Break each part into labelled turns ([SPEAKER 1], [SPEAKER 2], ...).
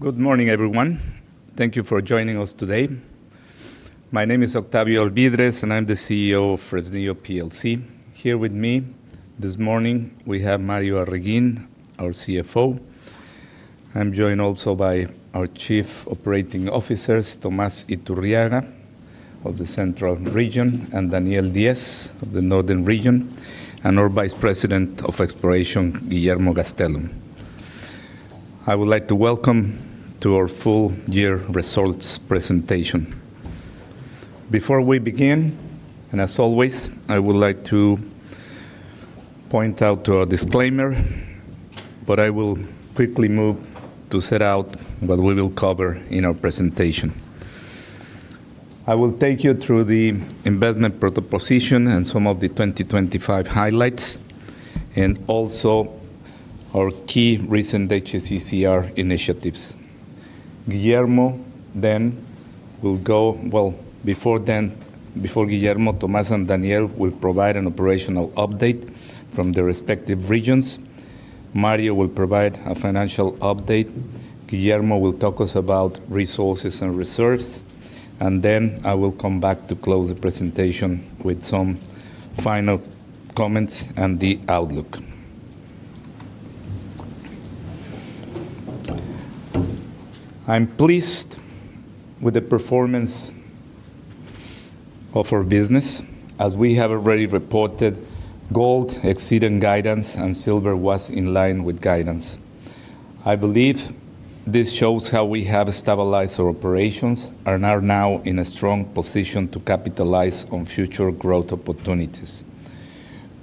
[SPEAKER 1] Good morning, everyone. Thank you for joining us today. My name is Octavio Alvídrez, and I'm the CEO of Fresnillo PLC. Here with me this morning, we have Mario Arreguín, our CFO. I'm joined also by our Chief Operating Officers, Tomás Iturriaga of the central region, and Daniel Diaz of the northern region, and our Vice President of Exploration, Guillermo Gastélum. I would like to welcome to our full year results presentation. Before we begin, and as always, I would like to point out to our disclaimer, but I will quickly move to set out what we will cover in our presentation. I will take you through the investment pro-proposition and some of the 2025 highlights, and also our key recent HSECR initiatives. Well, before Guillermo, Tomás and Daniel will provide an operational update from their respective regions. Mario will provide a financial update. Guillermo will talk us about resources and reserves, and then I will come back to close the presentation with some final comments and the outlook. I'm pleased with the performance of our business. As we have already reported, gold exceeded guidance and silver was in line with guidance. I believe this shows how we have stabilized our operations and are now in a strong position to capitalize on future growth opportunities.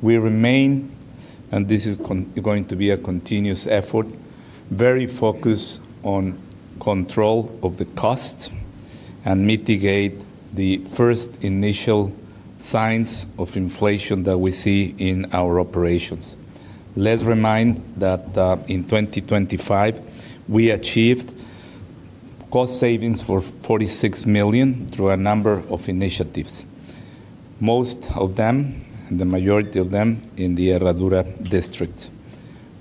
[SPEAKER 1] We remain, and this is going to be a continuous effort, very focused on control of the cost and mitigate the first initial signs of inflation that we see in our operations. Let's remind that in 2025, we achieved cost savings for $46 million through a number of initiatives. Most of them, the majority of them, in the Herradura District,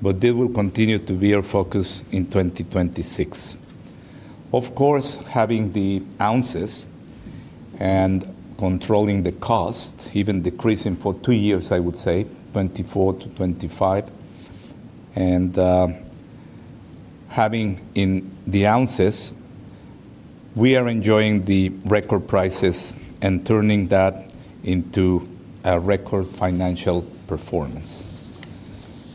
[SPEAKER 1] but they will continue to be our focus in 2026. Of course, having the ounces and controlling the cost, even decreasing for two years, I would say, 2024-2025, having in the ounces, we are enjoying the record prices and turning that into a record financial performance.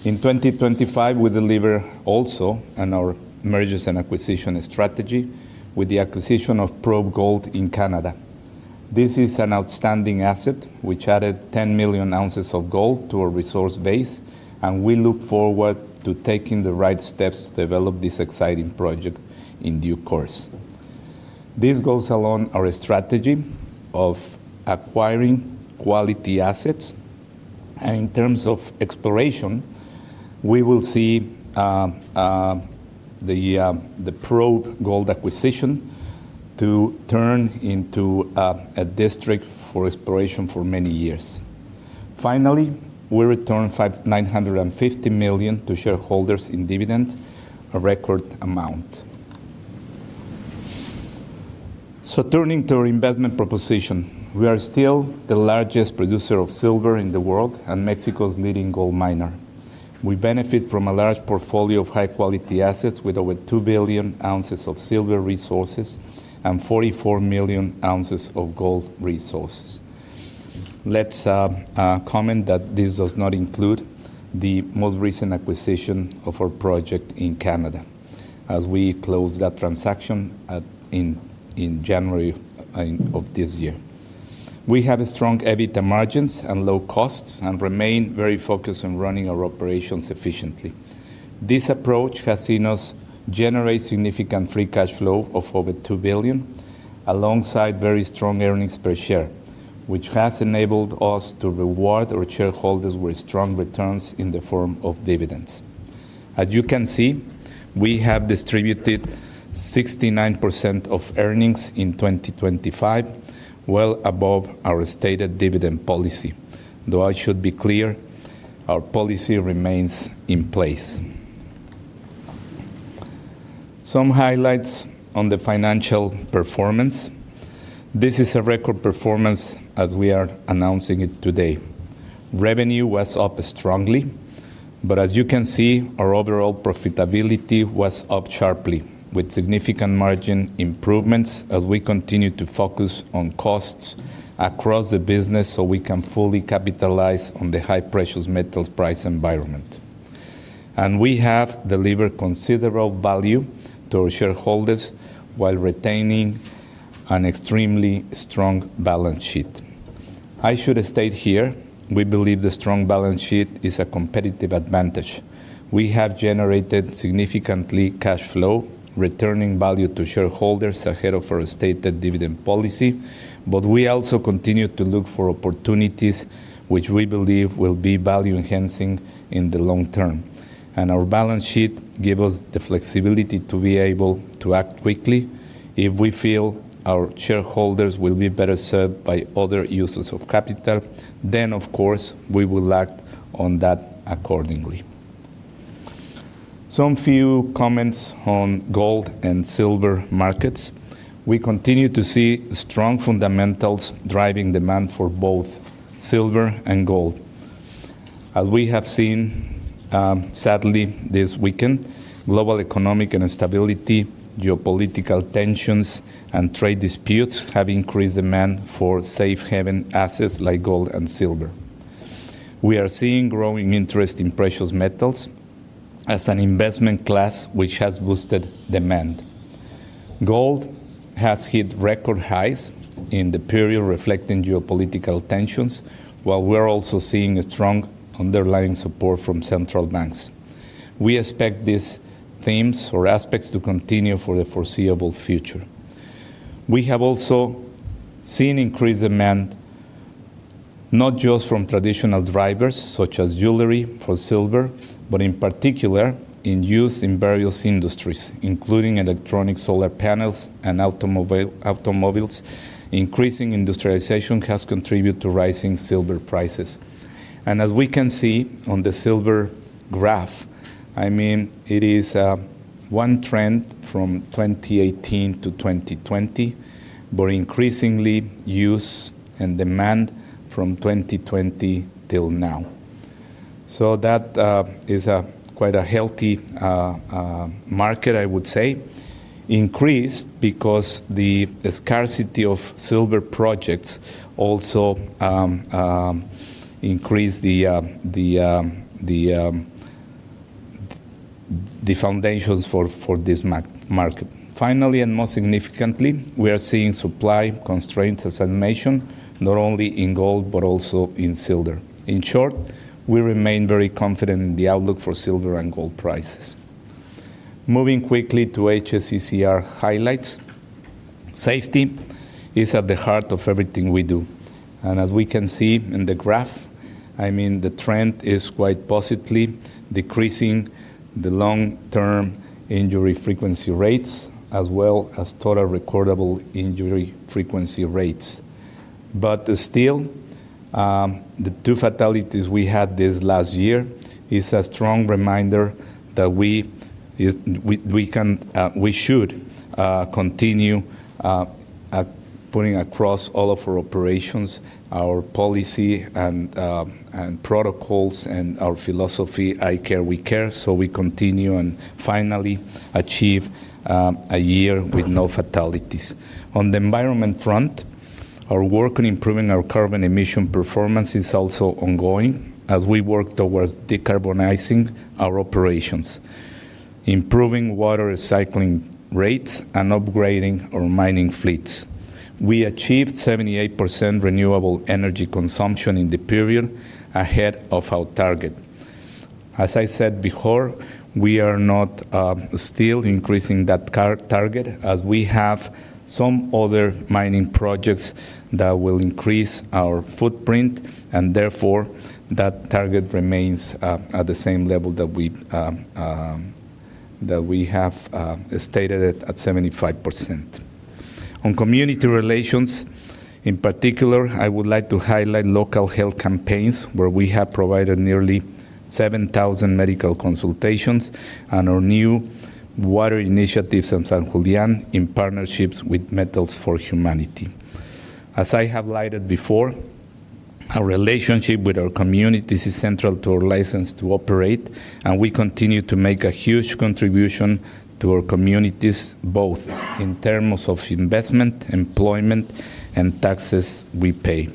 [SPEAKER 1] In 2025, we deliver also on our mergers and acquisition strategy with the acquisition of Probe Gold in Canada. This is an outstanding asset which added 10 million ounces of gold to our resource base, and we look forward to taking the right steps to develop this exciting project in due course. This goes along our strategy of acquiring quality assets, and in terms of exploration, we will see the Probe Gold acquisition to turn into a district for exploration for many years. Finally, we return $950 million to shareholders in dividend, a record amount. Turning to our investment proposition, we are still the largest producer of silver in the world and Mexico's leading gold miner. We benefit from a large portfolio of high-quality assets with over 2 billion ounces of silver resources and 44 million ounces of gold resources. Let's comment that this does not include the most recent acquisition of our project in Canada as we close that transaction in January, I think, of this year. We have strong EBITDA margins and low costs and remain very focused on running our operations efficiently. This approach has seen us generate significant free cash flow of over $2 billion alongside very strong earnings per share, which has enabled us to reward our shareholders with strong returns in the form of dividends. As you can see, we have distributed 69% of earnings in 2025, well above our stated dividend policy. I should be clear, our policy remains in place. Some highlights on the financial performance. This is a record performance as we are announcing it today. Revenue was up strongly, but as you can see, our overall profitability was up sharply with significant margin improvements as we continue to focus on costs across the business, so we can fully capitalize on the high precious metals price environment. We have delivered considerable value to our shareholders while retaining an extremely strong balance sheet. I should state here, we believe the strong balance sheet is a competitive advantage. We have generated significantly cash flow, returning value to shareholders ahead of our stated dividend policy, but we also continue to look for opportunities which we believe will be value-enhancing in the long term. Our balance sheet give us the flexibility to be able to act quickly. If we feel our shareholders will be better served by other uses of capital, then of course, we will act on that accordingly. Some few comments on gold and silver markets. We continue to see strong fundamentals driving demand for both silver and gold. As we have seen, sadly this weekend, global economic instability, geopolitical tensions, and trade disputes have increased demand for safe haven assets like gold and silver. We are seeing growing interest in precious metals as an investment class which has boosted demand. Gold has hit record highs in the period reflecting geopolitical tensions, while we're also seeing a strong underlying support from central banks. We expect these themes or aspects to continue for the foreseeable future. We have also seen increased demand not just from traditional drivers such as jewelry for silver, but in particular in use in various industries, including electronic solar panels and automobiles. Increasing industrialization has contributed to rising silver prices. As we can see on the silver graph, I mean, it is one trend from 2018 to 2020, but increasingly use and demand from 2020 till now. That is a quite a healthy market I would say. Increased because the scarcity of silver projects also increased the foundations for this market. Finally, and most significantly, we are seeing supply constraints as I mentioned, not only in gold, but also in silver. In short, we remain very confident in the outlook for silver and gold prices. Moving quickly to HSECR highlights. Safety is at the heart of everything we do, and as we can see in the graph, I mean, the trend is quite positively decreasing the lost time injury frequency rate as well as total recordable injury frequency rate. But still, the two fatalities we had this last year is a strong reminder that we should continue putting across all of our operations our policy and protocols and our philosophy, "I Care, We Care," so we continue and finally achieve a year with no fatalities. On the environment front, our work on improving our carbon emission performance is also ongoing as we work towards decarbonizing our operations, improving water recycling rates, and upgrading our mining fleets. We achieved 78% renewable energy consumption in the period ahead of our target. As I said before, we are not still increasing that target as we have some other mining projects that will increase our footprint. Therefore, that target remains at the same level that we that we have stated it at 75%. On community relations, in particular, I would like to highlight local health campaigns where we have provided nearly 7,000 medical consultations on our new water initiatives in San Julián in partnerships with Metals for Humanity. As I highlighted before, our relationship with our communities is central to our license to operate, and we continue to make a huge contribution to our communities both in terms of investment, employment, and taxes we pay.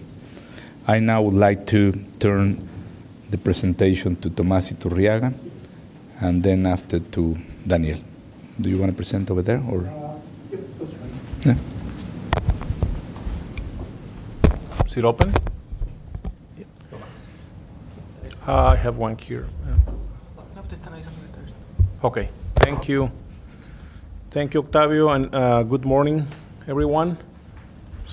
[SPEAKER 1] I now would like to turn the presentation to Tomás Iturriaga, and then after to Daniel. Do you wanna present over there or?
[SPEAKER 2] Yeah. That's fine.
[SPEAKER 1] Yeah.
[SPEAKER 2] Is it open?
[SPEAKER 1] Yeah. It's Tomás.
[SPEAKER 2] I have one here. Thank you. Thank you, Octavio, good morning, everyone.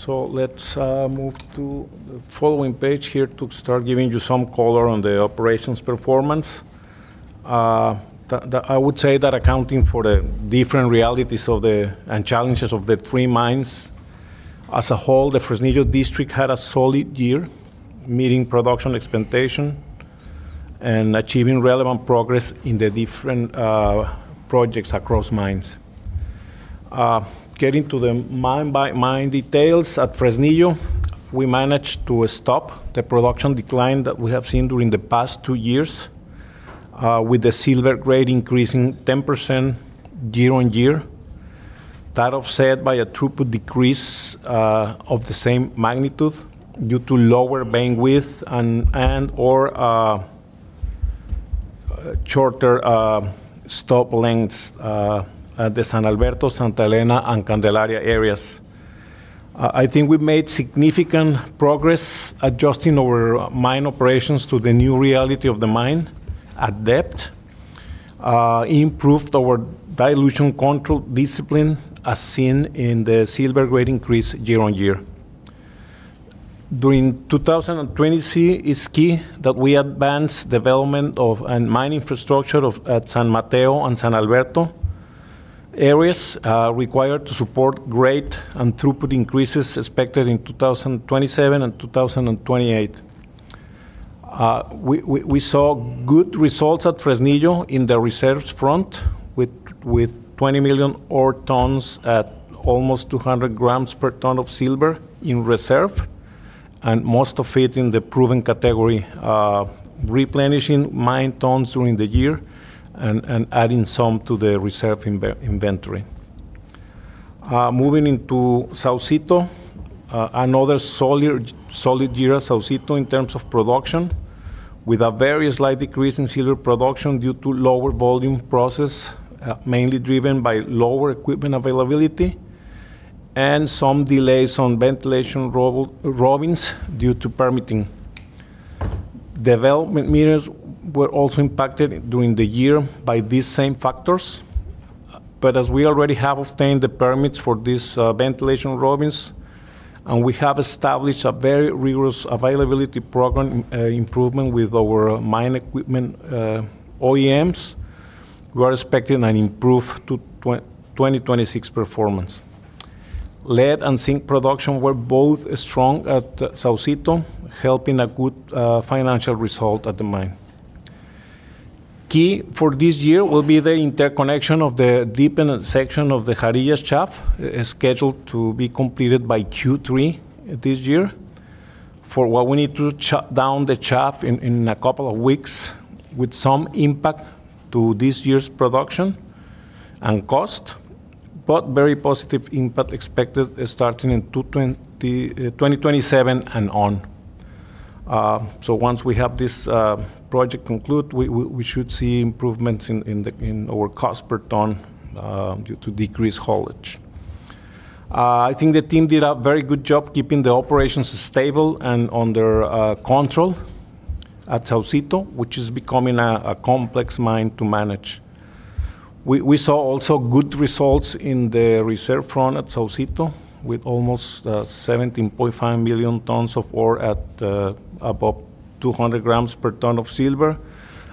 [SPEAKER 2] Let's move to the following page here to start giving you some color on the operations performance. I would say that accounting for the different realities of the, and challenges of the three mines as a whole, the Fresnillo district had a solid year meeting production expectation and achieving relevant progress in the different projects across mines. Getting to the mine by mine details, at Fresnillo, we managed to stop the production decline that we have seen during the past two years, with the silver grade increasing 10% year-on-year. That offset by a throughput decrease of the same magnitude due to lower vein width and/or shorter stop lengths at the San Alberto, Santa Elena, and Candelaria areas. I think we've made significant progress adjusting our mine operations to the new reality of the mine at depth, improved our dilution control discipline as seen in the silver grade increase year-on-year. During 2020, see is key that we advance development of and mine infrastructure at San Mateo and San Alberto areas, required to support great and throughput increases expected in 2027 and 2028. We saw good results at Fresnillo in the reserves front with 20 million ore tonnes at almost 200 g per tonne of silver in reserve, and most of it in the proven category, replenishing mine tonnes during the year and adding some to the reserve inventory. Moving into Saucito, another solid year at Saucito in terms of production with a very slight decrease in silver production due to lower volume process, mainly driven by lower equipment availability and some delays on ventilation raises due to permitting. Development meters were also impacted during the year by these same factors. As we already have obtained the permits for these ventilation raises, and we have established a very rigorous availability program improvement with our mine equipment OEMs, we are expecting an improved 2026 performance. Lead and zinc production were both strong at Saucito, helping a good financial result at the mine. Key for this year will be the interconnection of the dependent section of the Jarillas shaft, scheduled to be completed by Q3 this year. While we need to shut down the shaft in a couple of weeks with some impact to this year's production and cost, but very positive impact expected starting in 2027 and on. Once we have this project conclude, we should see improvements in our cost per tonne, due to decreased haulage. I think the team did a very good job keeping the operations stable and under control at Saucito, which is becoming a complex mine to manage. We saw also good results in the reserve front at Saucito with almost 17.5 million tonnes of ore at above 200 g per tonne of silver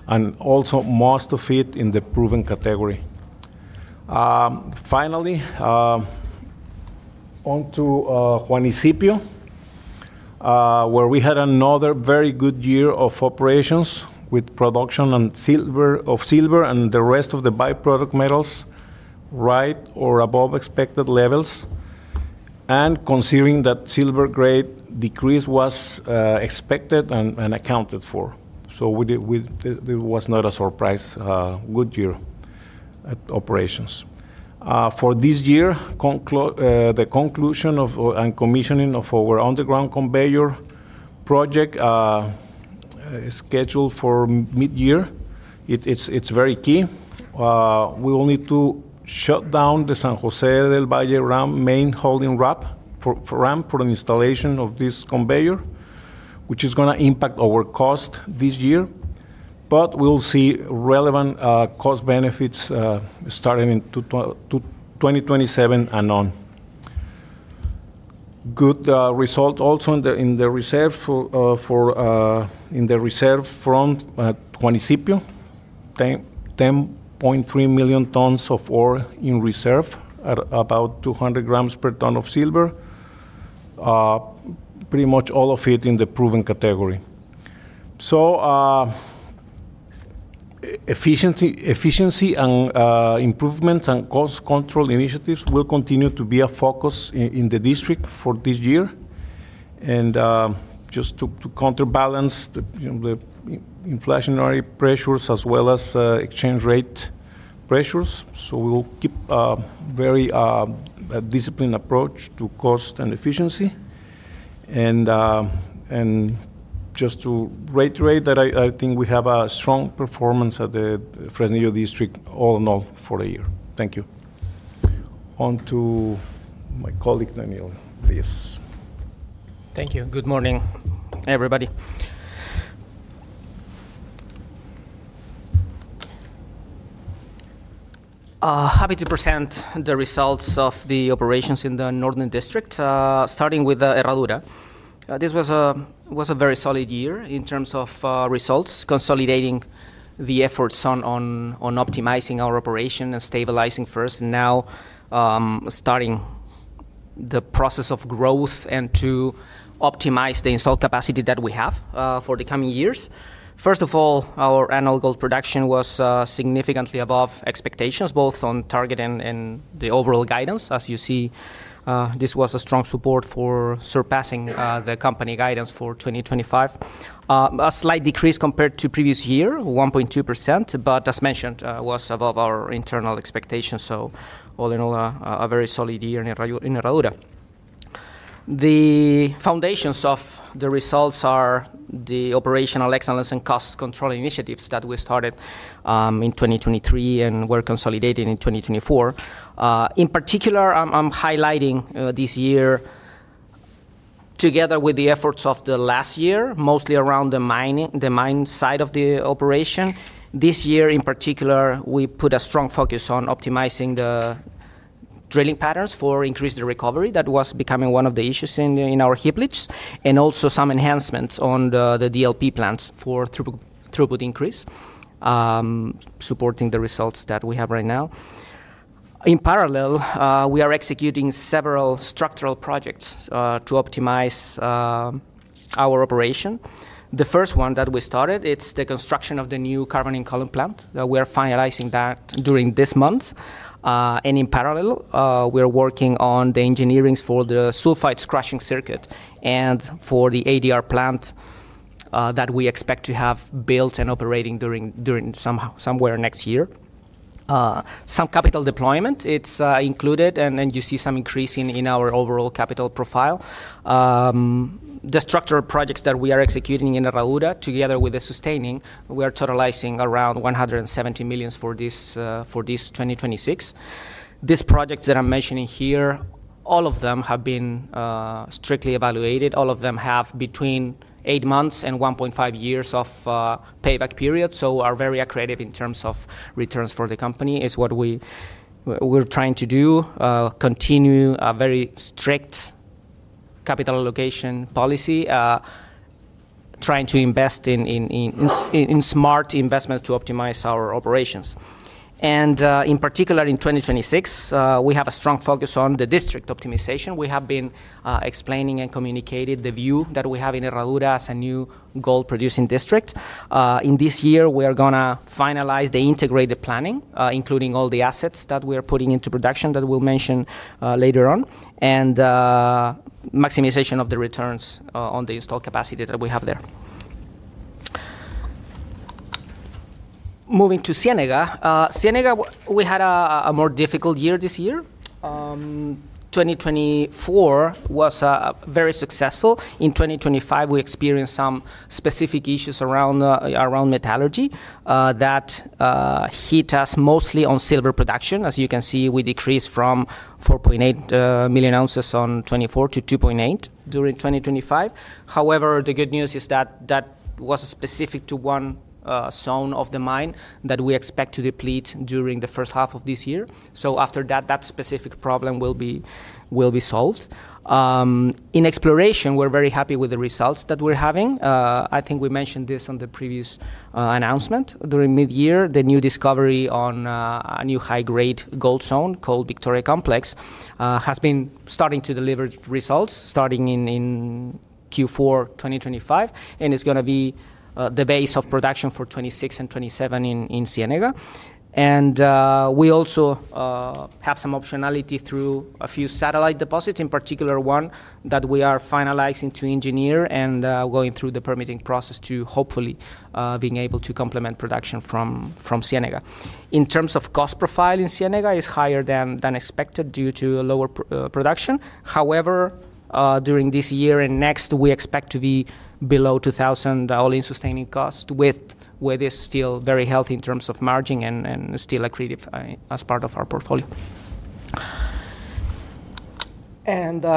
[SPEAKER 2] and also most of it in the proven category. Finally, on to Juanicipio, where we had another very good year of operations with production of silver and the rest of the byproduct metals right or above expected levels and considering that silver grade decrease was expected and accounted for. There was not a surprise, good year at operations. For this year, the conclusion of and commissioning of our underground conveyor project is scheduled for mid-year. It's very key. We will need to shut down the San José del Valle ramp main hauling ramp for an installation of this conveyor, which is gonna impact our cost this year. We'll see relevant cost benefits starting in 2027 and on. Good result also in the reserve front at Juanicipio. 10.3 million tonnes of ore in reserve at about 200 g per tonne of silver, pretty much all of it in the proven category. Efficiency and improvements and cost control initiatives will continue to be a focus in the district for this year, and just to counterbalance the, you know, inflationary pressures as well as exchange rate pressures. We will keep a very disciplined approach to cost and efficiency. Just to reiterate that, I think we have a strong performance at the Fresnillo district all in all for the year. Thank you. On to my colleague, Daniel Diaz.
[SPEAKER 3] Thank you. Good morning, everybody. Happy to present the results of the operations in the northern district, starting with Herradura. This was a very solid year in terms of results, consolidating the efforts on optimizing our operation and stabilizing first. Starting the process of growth and to optimize the installed capacity that we have for the coming years. First of all, our annual gold production was significantly above expectations, both on target and the overall guidance. As you see, this was a strong support for surpassing the company guidance for 2025. A slight decrease compared to previous year, 1.2%, as mentioned, was above our internal expectations. All in all, a very solid year in Herradura. The foundations of the results are the operational excellence and cost control initiatives that we started in 2023 and were consolidated in 2024. In particular, I'm highlighting this year together with the efforts of the last year, mostly around the mine side of the operation. This year in particular, we put a strong focus on optimizing the drilling patterns for increase the recovery that was becoming one of the issues in our heap leaching, and also some enhancements on the DLP plants for through-throughput increase, supporting the results that we have right now. In parallel, we are executing several structural projects to optimize our operation. The first one that we started, it's the construction of the new Carbon in Column plant. We are finalizing that during this month. In parallel, we are working on the engineerings for the sulphide crushing circuit and for the ADR plant that we expect to have built and operating during somewhere next year. Some capital deployment, it's included, and then you see some increase in our overall capital profile. The structural projects that we are executing in Herradura together with the sustaining, we are totalizing around $170 million for this, for this 2026. These projects that I'm mentioning here, all of them have been strictly evaluated. All of them have between eight months and 1.5 years of payback period, so are very accretive in terms of returns for the company is what we're trying to do. Continue a very strict capital allocation policy, trying to invest in smart investments to optimize our operations. In particular in 2026, we have a strong focus on the district optimization. We have been explaining and communicated the view that we have in Herradura as a new gold-producing district. In this year we are gonna finalize the integrated planning, including all the assets that we are putting into production that we'll mention later on, and maximization of the returns on the installed capacity that we have there. Moving to Ciénega. Ciénega we had a more difficult year this year. 2024 was very successful. In 2025 we experienced some specific issues around metallurgy that hit us mostly on silver production. As you can see, we decreased from 4.8 million ounces on 2024 to 2.8 million during 2025. The good news is that that was specific to one zone of the mine that we expect to deplete during the first half of this year. After that specific problem will be solved. In exploration, we're very happy with the results that we're having. I think we mentioned this on the previous announcement during midyear. The new discovery on a new high-grade gold zone called Victoria Complex has been starting to deliver results starting in Q4 2025, and it's gonna be the base of production for 2026 and 2027 in Ciénega. We also have some optionality through a few satellite deposits, in particular one that we are finalizing to engineer and going through the permitting process to hopefully being able to complement production from Ciénega. In terms of cost profile in Ciénega, it's higher than expected due to lower production. However, during this year and next, we expect to be below $2,000 all-in sustaining cost, where they're still very healthy in terms of margin and still accretive as part of our portfolio.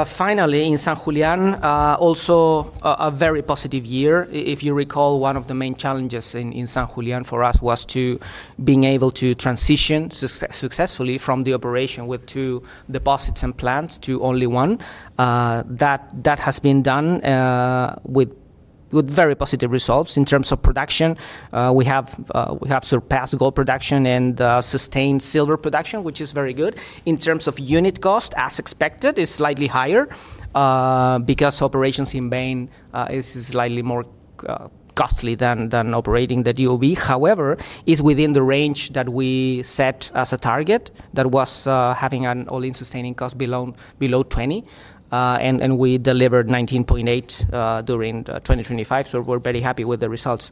[SPEAKER 3] Finally in San Julián, also a very positive year. If you recall, one of the main challenges in San Julián for us was to being able to transition successfully from the operation with two deposits and plants to only one. That has been done with very positive results in terms of production. We have surpassed gold production and sustained silver production, which is very good. In terms of unit cost, as expected, it's slightly higher because operations in vein is slightly more costly than operating the DOB. However, it's within the range that we set as a target that was having an all-in sustaining cost below $20. We delivered $19.8 during 2025. We're very happy with the results.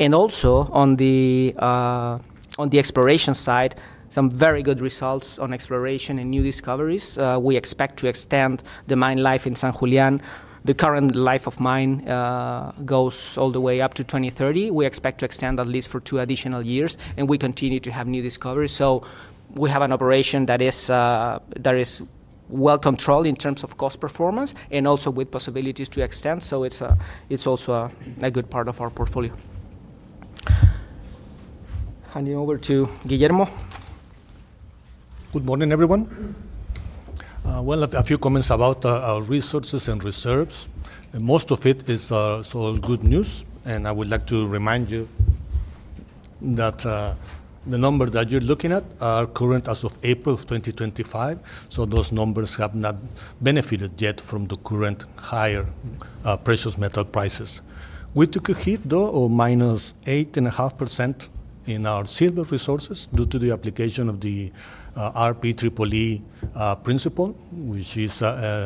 [SPEAKER 3] Also on the exploration side, some very good results on exploration and new discoveries. We expect to extend the mine life in San Julián. The current life of mine goes all the way up to 2030. We expect to extend at least for two additional years. We continue to have new discoveries. We have an operation that is well controlled in terms of cost performance and also with possibilities to extend. It's also a good part of our portfolio. Handing over to Guillermo.
[SPEAKER 4] Good morning, everyone. A few comments about our resources and reserves, most of it is all good news. I would like to remind you that the numbers that you're looking at are current as of April of 2025, so those numbers have not benefited yet from the current higher precious metal prices. We took a hit though of -8.5% in our silver resources due to the application of the RPEEE principle, which is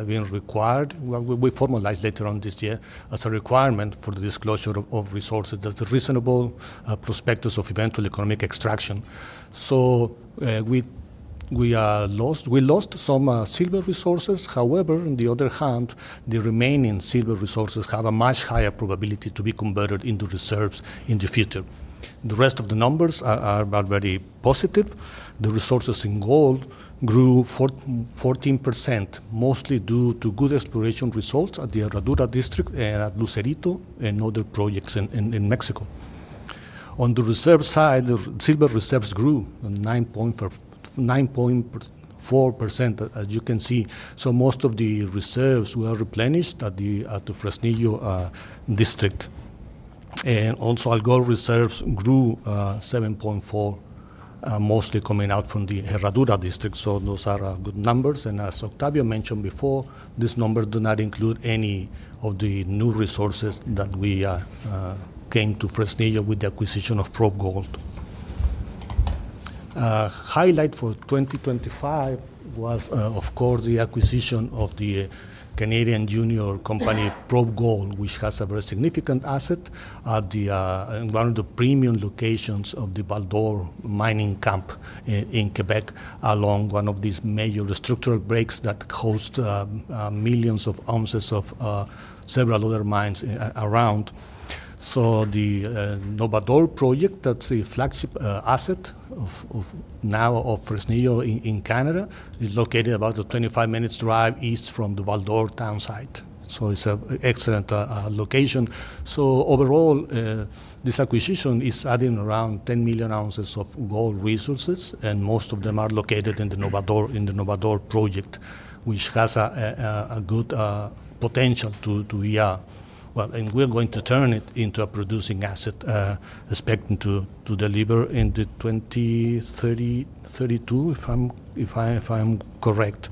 [SPEAKER 4] being required. We formalize later on this year as a requirement for the disclosure of resources that the reasonable prospectus of eventual economic extraction. We lost some silver resources. On the other hand, the remaining silver resources have a much higher probability to be converted into reserves in the future. The rest of the numbers are very positive. The resources in gold grew 14%, mostly due to good exploration results at the Herradura district and at Lucerito and other projects in Mexico. On the reserve side, the silver reserves grew 9.4%, as you can see. Most of the reserves were replenished at the Fresnillo district. Also, gold reserves grew 7.4%, mostly coming out from the Herradura district. Those are good numbers. As Octavio mentioned before, these numbers do not include any of the new resources that we came to Fresnillo with the acquisition of Probe Gold. Highlight for 2025 was, of course, the acquisition of the Canadian junior company Probe Gold, which has a very significant asset in one of the premium locations of the Val-d'Or mining camp in Québec, along one of these major structural breaks that host millions of ounces of several other mines around. The Novador project, that's a flagship asset of now of Fresnillo in Canada. It's located about a 25-minutes drive east from the Val-d'Or town site. It's a excellent location. Overall, this acquisition is adding around 10 million ounces of gold resources, and most of them are located in the Novador, in the Novador project, which has a good potential to, yeah. We're going to turn it into a producing asset, expecting to deliver in 2030-2032, if I'm correct.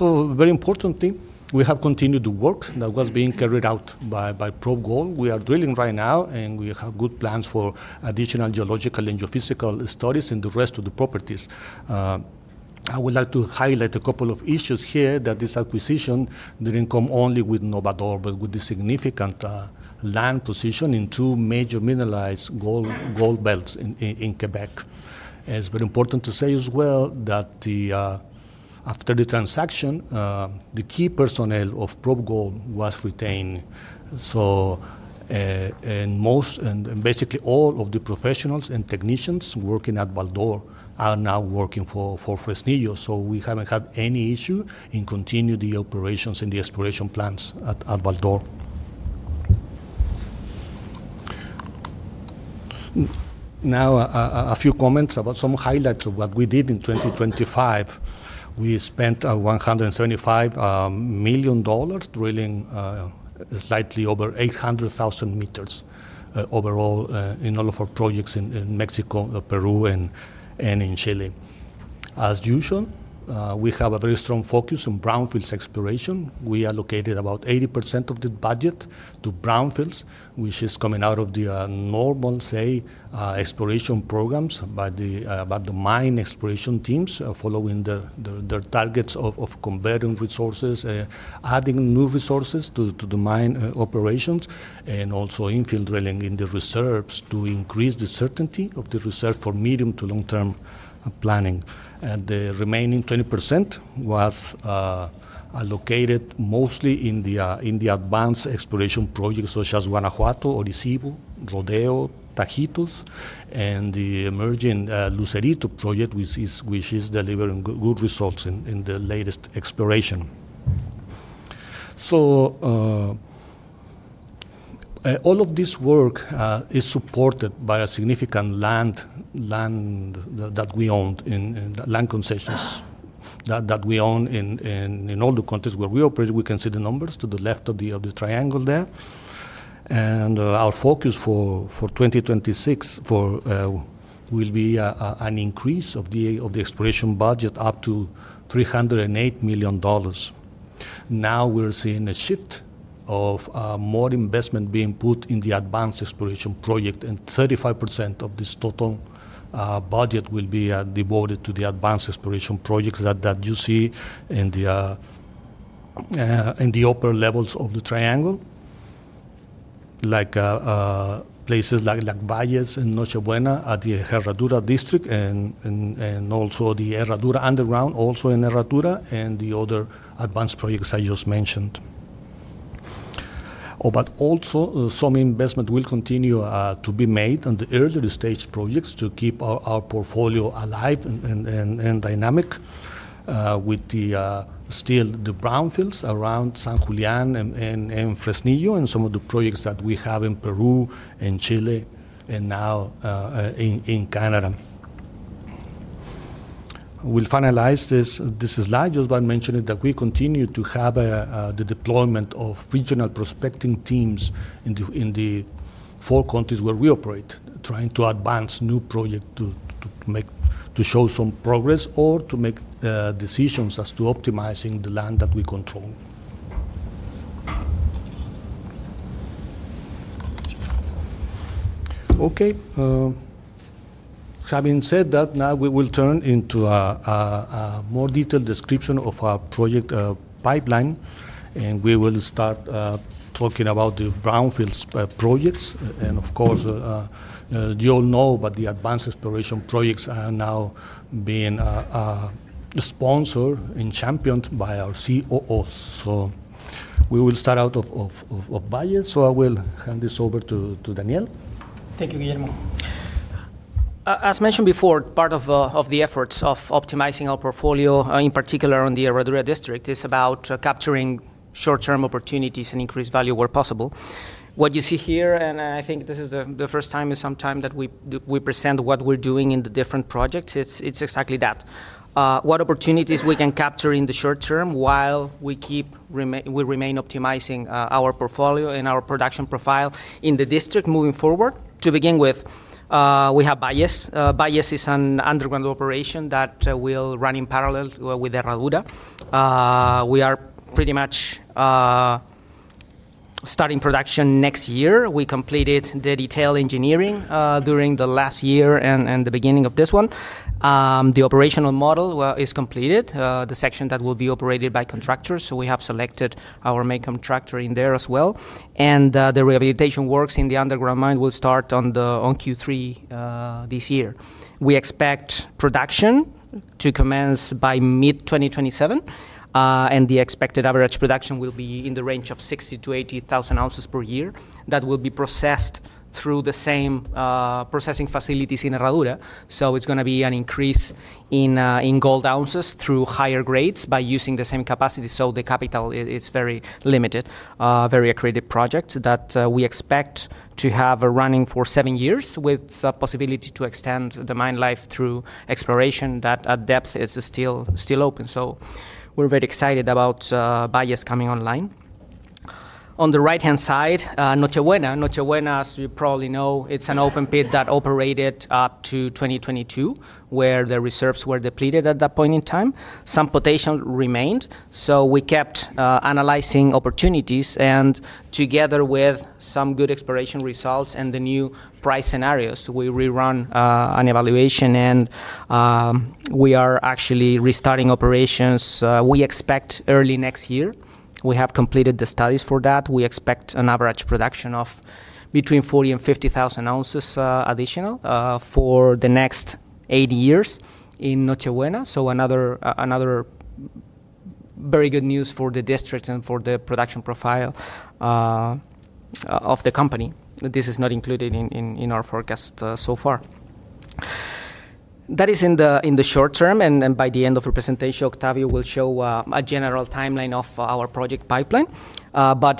[SPEAKER 4] Very important thing, we have continued the work that was being carried out by Probe Gold. We are drilling right now, we have good plans for additional geological and geophysical studies in the rest of the properties. I would like to highlight a couple of issues here that this acquisition didn't come only with Novador, but with the significant land position in two major mineralized gold belts in Québec. It's very important to say as well that after the transaction, the key personnel of Probe Gold was retained. Basically all of the professionals and technicians working at Val-d'Or are now working for Fresnillo. We haven't had any issue in continue the operations and the exploration plans at Val-d'Or. A few comments about some highlights of what we did in 2025. We spent $175 million drilling slightly over 800,000 m overall in all of our projects in Mexico, Peru, and in Chile. As usual, we have a very strong focus on brownfields exploration. We allocated about 80% of the budget to brownfields, which is coming out of the normal exploration programs by the mine exploration teams following their targets of converting resources, adding new resources to the mine operations, and also infill drilling in the reserves to increase the certainty of the reserve for medium to long-term planning. The remaining 20% was allocated mostly in the advanced exploration projects such as Guanajuato, Orisyvo, Rodeo, Tajitos, and the emerging Lucerito project which is delivering good results in the latest exploration. All of this work is supported by a significant land that we owned in land concessions that we own in all the countries where we operate. We can see the numbers to the left of the triangle there. Our focus for 2026 will be an increase of the exploration budget up to $308 million. Now we're seeing a shift of, more investment being put in the advanced exploration project. 35% of this total budget will be devoted to the advanced exploration projects that you see in the upper levels of the triangle, like places like Valles and Noche Buena at the Herradura district and also the Herradura Underground, also in Herradura, and the other advanced projects I just mentioned. Also some investment will continue to be made on the earlier stage projects to keep our portfolio alive and dynamic, with the still the brownfields around San Julián and Fresnillo and some of the projects that we have in Peru and Chile and now in Canada. We'll finalize this. This slide just by mentioning that we continue to have the deployment of regional prospecting teams in the four countries where we operate, trying to advance new project to show some progress or to make decisions as to optimizing the land that we control. Okay. Having said that, now we will turn into a more detailed description of our project pipeline, and we will start talking about the brownfields projects. Of course, you all know that the advanced exploration projects are now being sponsored and championed by our COOs. We will start out of Valles. I will hand this over to Daniel.
[SPEAKER 3] Thank you, Guillermo. As mentioned before, part of the efforts of optimizing our portfolio, in particular on the Herradura district, is about capturing short-term opportunities and increased value where possible. What you see here, I think this is the first time in some time that we present what we're doing in the different projects, it's exactly that. What opportunities we can capture in the short term while we remain optimizing our portfolio and our production profile in the district moving forward. To begin with, we have Valles. Valles is an underground operation that will run in parallel with Herradura. We are pretty much starting production next year. We completed the detail engineering during the last year and the beginning of this one. The operational model, well, is completed. The section that will be operated by contractors, we have selected our main contractor in there as well. The rehabilitation works in the underground mine will start on Q3 this year. We expect production to commence by mid-2027, the expected average production will be in the range of 60,000-80,000 ounces per year that will be processed through the same processing facilities in Herradura. It's gonna be an increase in gold ounces through higher grades by using the same capacity, the capital it's very limited. Very accretive project that we expect to have running for seven years with a possibility to extend the mine life through exploration that at depth is still open. We're very excited about Valles coming online. On the right-hand side, Noche Buena. Noche Buena, as you probably know, it's an open pit that operated up to 2022, where the reserves were depleted at that point in time. Some potential remained. We kept analyzing opportunities. Together with some good exploration results and the new price scenarios, we rerun an evaluation and we are actually restarting operations, we expect early next year. We have completed the studies for that. We expect an average production of between 40,000 and 50,000 ounces additional for the next eight years in Noche Buena. Another very good news for the district and for the production profile of the company. This is not included in our forecast so far. That is in the short term and by the end of the presentation, Octavio will show a general timeline of our project pipeline.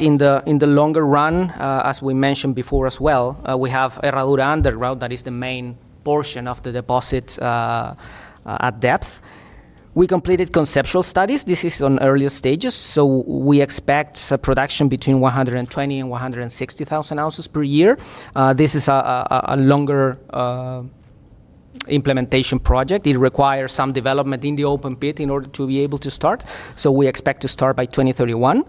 [SPEAKER 3] In the longer run, as we mentioned before as well, we have Herradura underground that is the main portion of the deposit, at depth. We completed conceptual studies. This is on earlier stages. We expect a production between 120,000 and 160,000 ounces per year. This is a longer implementation project. It requires some development in the open pit in order to be able to start. We expect to start by 2031.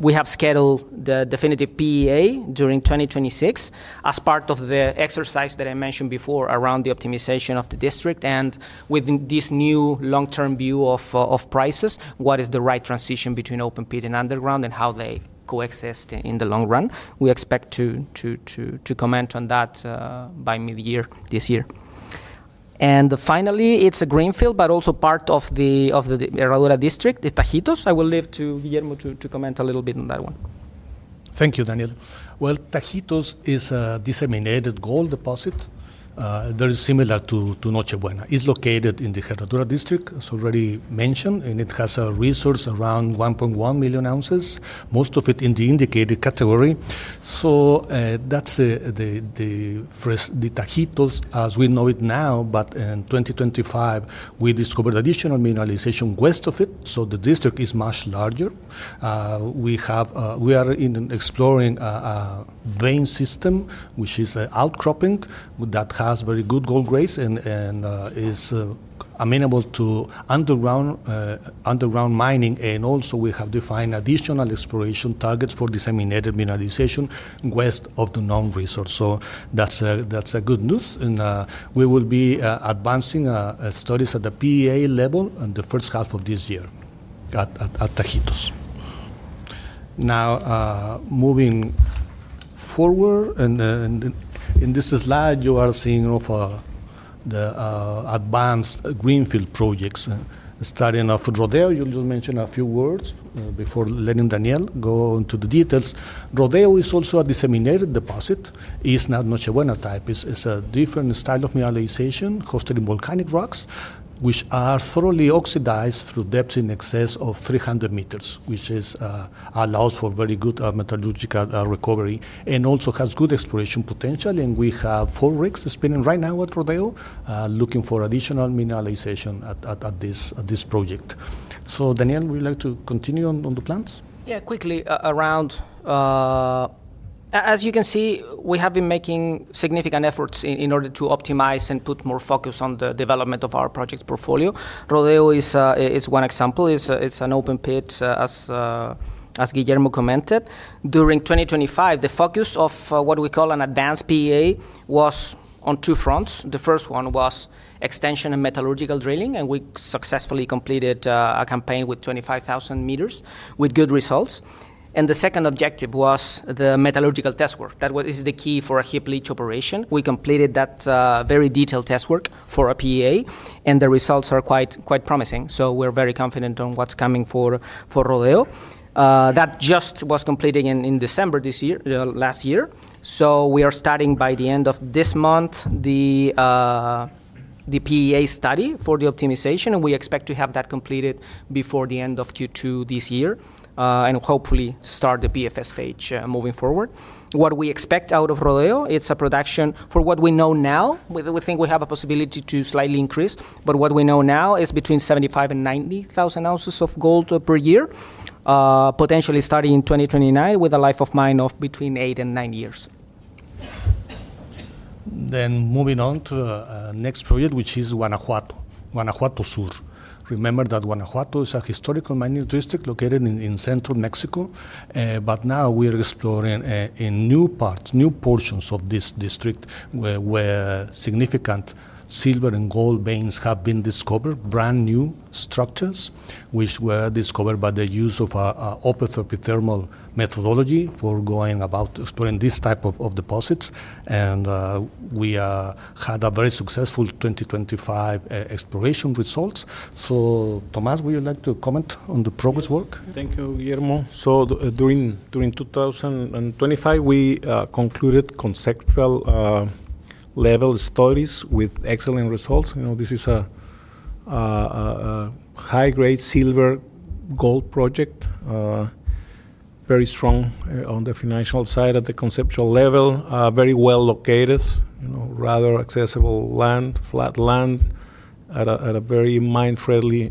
[SPEAKER 3] We have scheduled the definitive PEA during 2026 as part of the exercise that I mentioned before around the optimization of the district. With this new long-term view of prices, what is the right transition between open pit and underground, and how they coexist in the long run. We expect to comment on that by mid-year this year. Finally, it's a greenfield, but also part of the Herradura district, the Tajitos. I will leave to Guillermo to comment a little bit on that one.
[SPEAKER 4] Thank you, Daniel. Well, Tajitos is a disseminated gold deposit, very similar to Noche Buena. It's located in the Herradura district, as already mentioned, and it has a resource around 1.1 million ounces, most of it in the indicated category. That's the Tajitos as we know it now, but in 2025, we discovered additional mineralization west of it, so the district is much larger. We have, we are in an exploring vein system, which is a outcropping that has very good gold grades and is amenable to underground mining. Also we have defined additional exploration targets for disseminated mineralization west of the known resource, so that's a good news. We will be advancing studies at the PEA level in the first half of this year at Tajitos. Moving forward, in this slide, you are seeing of the advanced greenfield projects. Starting off with Rodeo, I'll just mention a few words before letting Daniel go into the details. Rodeo is also a disseminated deposit. It's not Noche Buena type. It's a different style of mineralization hosted in volcanic rocks, which are thoroughly oxidized through depths in excess of 300 m, which allows for very good metallurgical recovery and also has good exploration potential. We have four rigs that's spinning right now at Rodeo, looking for additional mineralization at this project. Daniel, would you like to continue on the plans?
[SPEAKER 3] Yeah, quickly, around. As you can see, we have been making significant efforts in order to optimize and put more focus on the development of our project portfolio. Rodeo is one example. It's an open pit as Guillermo commented. During 2025, the focus of what we call an advanced PEA was on two fronts. The first one was extension and metallurgical drilling. We successfully completed a campaign with 25,000 m with good results. The second objective was the metallurgical test work. That is the key for a heap leaching operation. We completed that very detailed test work for our PEA. The results are quite promising. We're very confident on what's coming for Rodeo. That just was completed in December last year. We are starting by the end of this month the, the PEA study for the optimization, we expect to have that completed before the end of Q2 this year, and hopefully start the PFS phase moving forward. What we expect out of Rodeo, it's a production for what we know now. We think we have a possibility to slightly increase, but what we know now is between 75,000 and 90,000 ounces of gold per year, potentially starting in 2029 with a life of mine of between eight and nine years.
[SPEAKER 4] Moving on to the next project, which is Guanajuato Sur. Remember that Guanajuato is a historical mining district located in central Mexico. Now we're exploring in new parts, new portions of this district where significant silver and gold veins have been discovered. Brand-new structures which were discovered by the use of, a epithermal methodology for going about exploring this type of deposits. We had a very successful 2025 exploration results. Tomás, would you like to comment on the progress work?
[SPEAKER 2] Thank you, Guillermo. During 2025, we concluded conceptual level studies with excellent results. You know, this is a high-grade silver gold project, very strong on the financial side at the conceptual level. Very well located, you know, rather accessible land, flat land at a very mine-friendly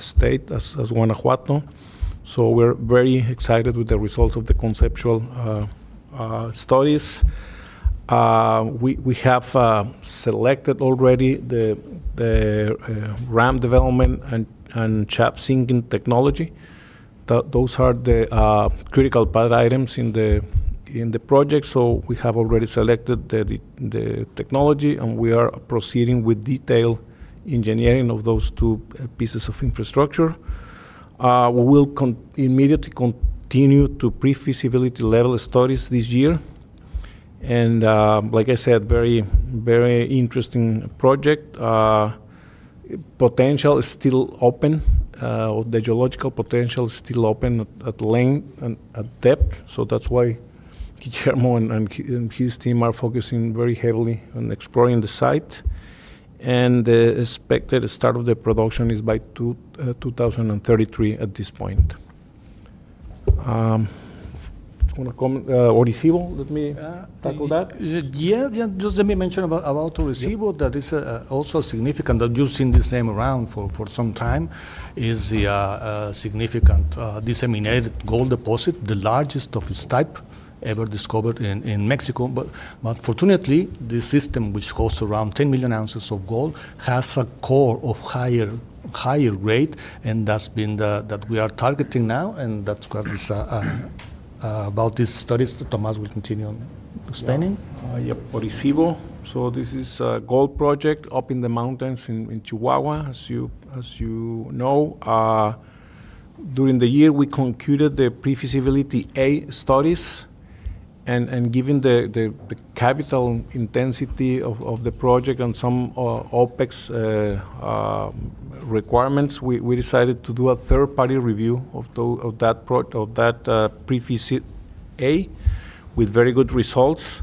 [SPEAKER 2] state as Guanajuato. We're very excited with the results of the conceptual studies. We have selected already the ramp development and shaft sinking technology. Those are the critical path items in the project. We have already selected the technology, and we are proceeding with detailed engineering of those two pieces of infrastructure. We'll immediately continue to pre-feasibility level studies this year. Like I said, very, very interesting project. Potential is still open. The geological potential is still open at length and at depth. That's why Guillermo and his team are focusing very heavily on exploring the site. The expected start of the production is by 2033 at this point. Wanna comment, Orisyvo? Let me tackle that.
[SPEAKER 4] Yeah. Just let me mention about Orisyvo.
[SPEAKER 2] Yeah.
[SPEAKER 4] That is also significant that you've seen this name around for some time, is the significant disseminated gold deposit, the largest of its type ever discovered in Mexico. Fortunately, this system, which hosts around 10 million ounces of gold, has a core of higher grade, and that's been that we are targeting now, and that's what is about these studies that Tomás will continue on expanding.
[SPEAKER 2] Yeah. Orisyvo. This is a gold project up in the mountains in Chihuahua. As you know, during the year, we concluded the pre-feasibility A studies. Given the capital intensity of the project and some OpEx requirements, we decided to do a third-party review of that pre-feasibility A with very good results.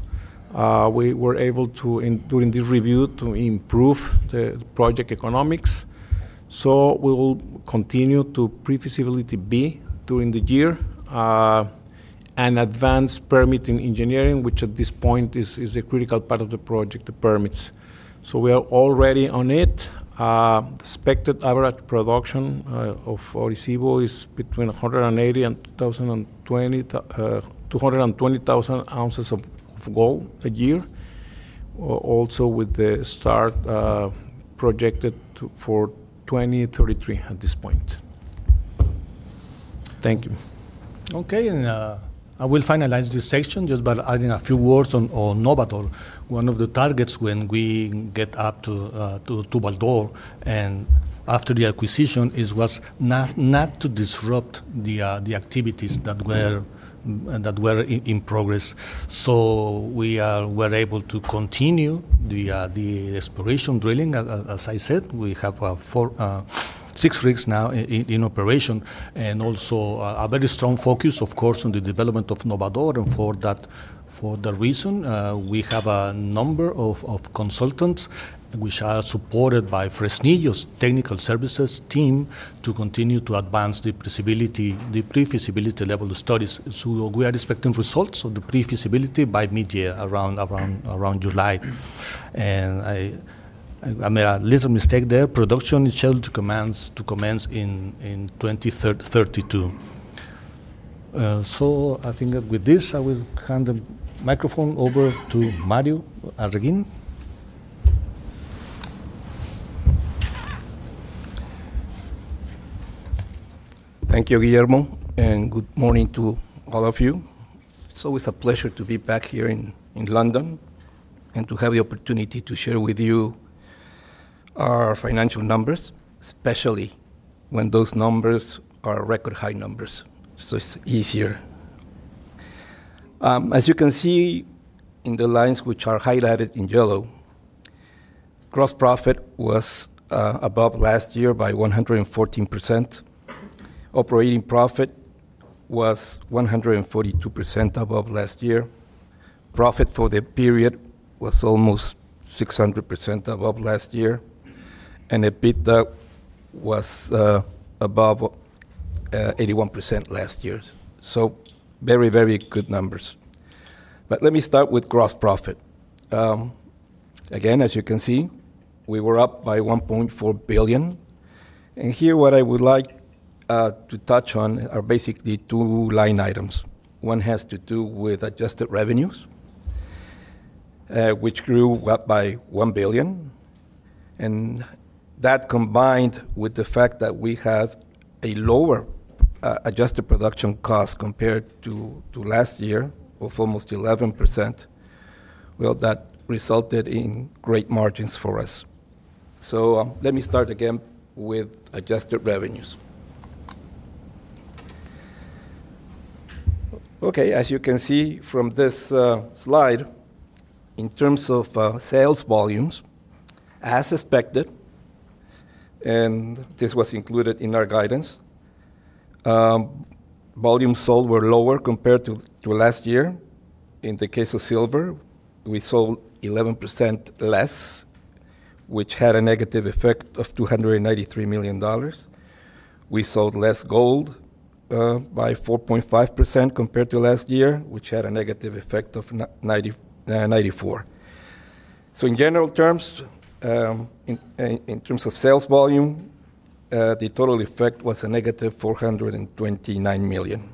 [SPEAKER 2] We were able to, during this review, to improve the project economics. We will continue to pre-feasibility B during the year, and advance permitting engineering, which at this point is a critical part of the project, the permits. We are already on it. The expected average production of Orisyvo is between 180,000 and 220,000 ounces of gold a year. Also with the start projected for 2033 at this point. Thank you.
[SPEAKER 4] Okay. I will finalize this section just by adding a few words on Novador. One of the targets when we get up to Val-d'Or and after the acquisition was not to disrupt the activities that were in progress. We were able to continue the exploration drilling. As I said, we have four, six rigs now in operation and also a very strong focus, of course, on the development of Novador. For that reason, we have a number of consultants which are supported by Fresnillo's technical services team to continue to advance the pre-feasibility level studies. We are expecting results of the pre-feasibility by mid-year, around July. I made a little mistake there. Production is scheduled to commence in 2032. I think with this, I will hand the microphone over to Mario Arreguín.
[SPEAKER 5] Thank you, Guillermo, and good morning to all of you. It's always a pleasure to be back here in London and to have the opportunity to share with you our financial numbers, especially when those numbers are record high numbers. It's easier. As you can see in the lines which are highlighted in yellow, gross profit was above last year by 114%. Operating profit was 142% above last year. Profit for the period was almost 600% above last year, and EBITDA was above 81% last year's. Very, very good numbers. Let me start with gross profit. Again, as you can see, we were up by $1.4 billion. Here what I would like to touch on are basically two line items. One has to do with adjusted revenues, which grew up by $1 billion. That combined with the fact that we have a lower adjusted production cost compared to last year of almost 11%, well, that resulted in great margins for us. Let me start again with adjusted revenues. Okay. As you can see from this slide, in terms of sales volumes, as expected, this was included in our guidance, volumes sold were lower compared to last year. In the case of silver, we sold 11% less, which had a negative effect of $293 million. We sold less gold by 4.5% compared to last year, which had a negative effect of $94 million. In general terms, in terms of sales volume, the total effect was a -$429 million.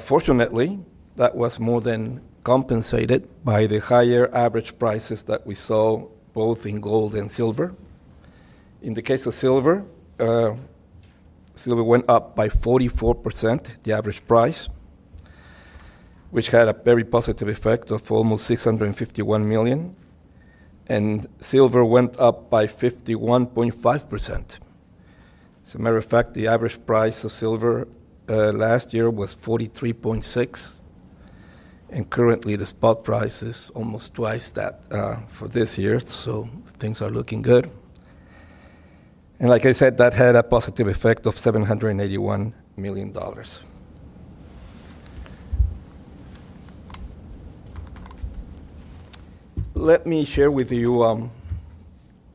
[SPEAKER 5] Fortunately, that was more than compensated by the higher average prices that we saw both in gold and silver. In the case of silver went up by 44%, the average price, which had a very positive effect of almost $651 million. Silver went up by 51.5%. As a matter of fact, the average price of silver last year was $43.6, and currently the spot price is almost twice that for this year, things are looking good. Like I said, that had a positive effect of $781 million. Let me share with you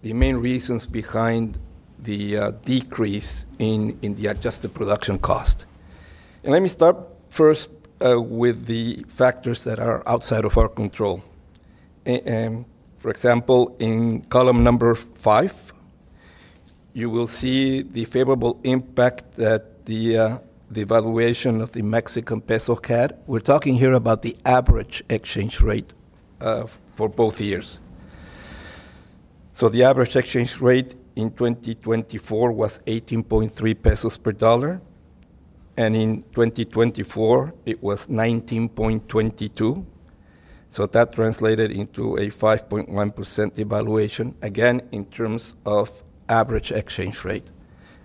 [SPEAKER 5] the main reasons behind the decrease in the adjusted production cost. Let me start first with the factors that are outside of our control. For example, in column number five, you will see the favorable impact that the evaluation of the Mexican peso had. We're talking here about the average exchange rate for both years. The average exchange rate in 2024 was 18.3 pesos per dollar, and in 2024, it was 19.22. That translated into a 5.1% evaluation, again, in terms of average exchange rate,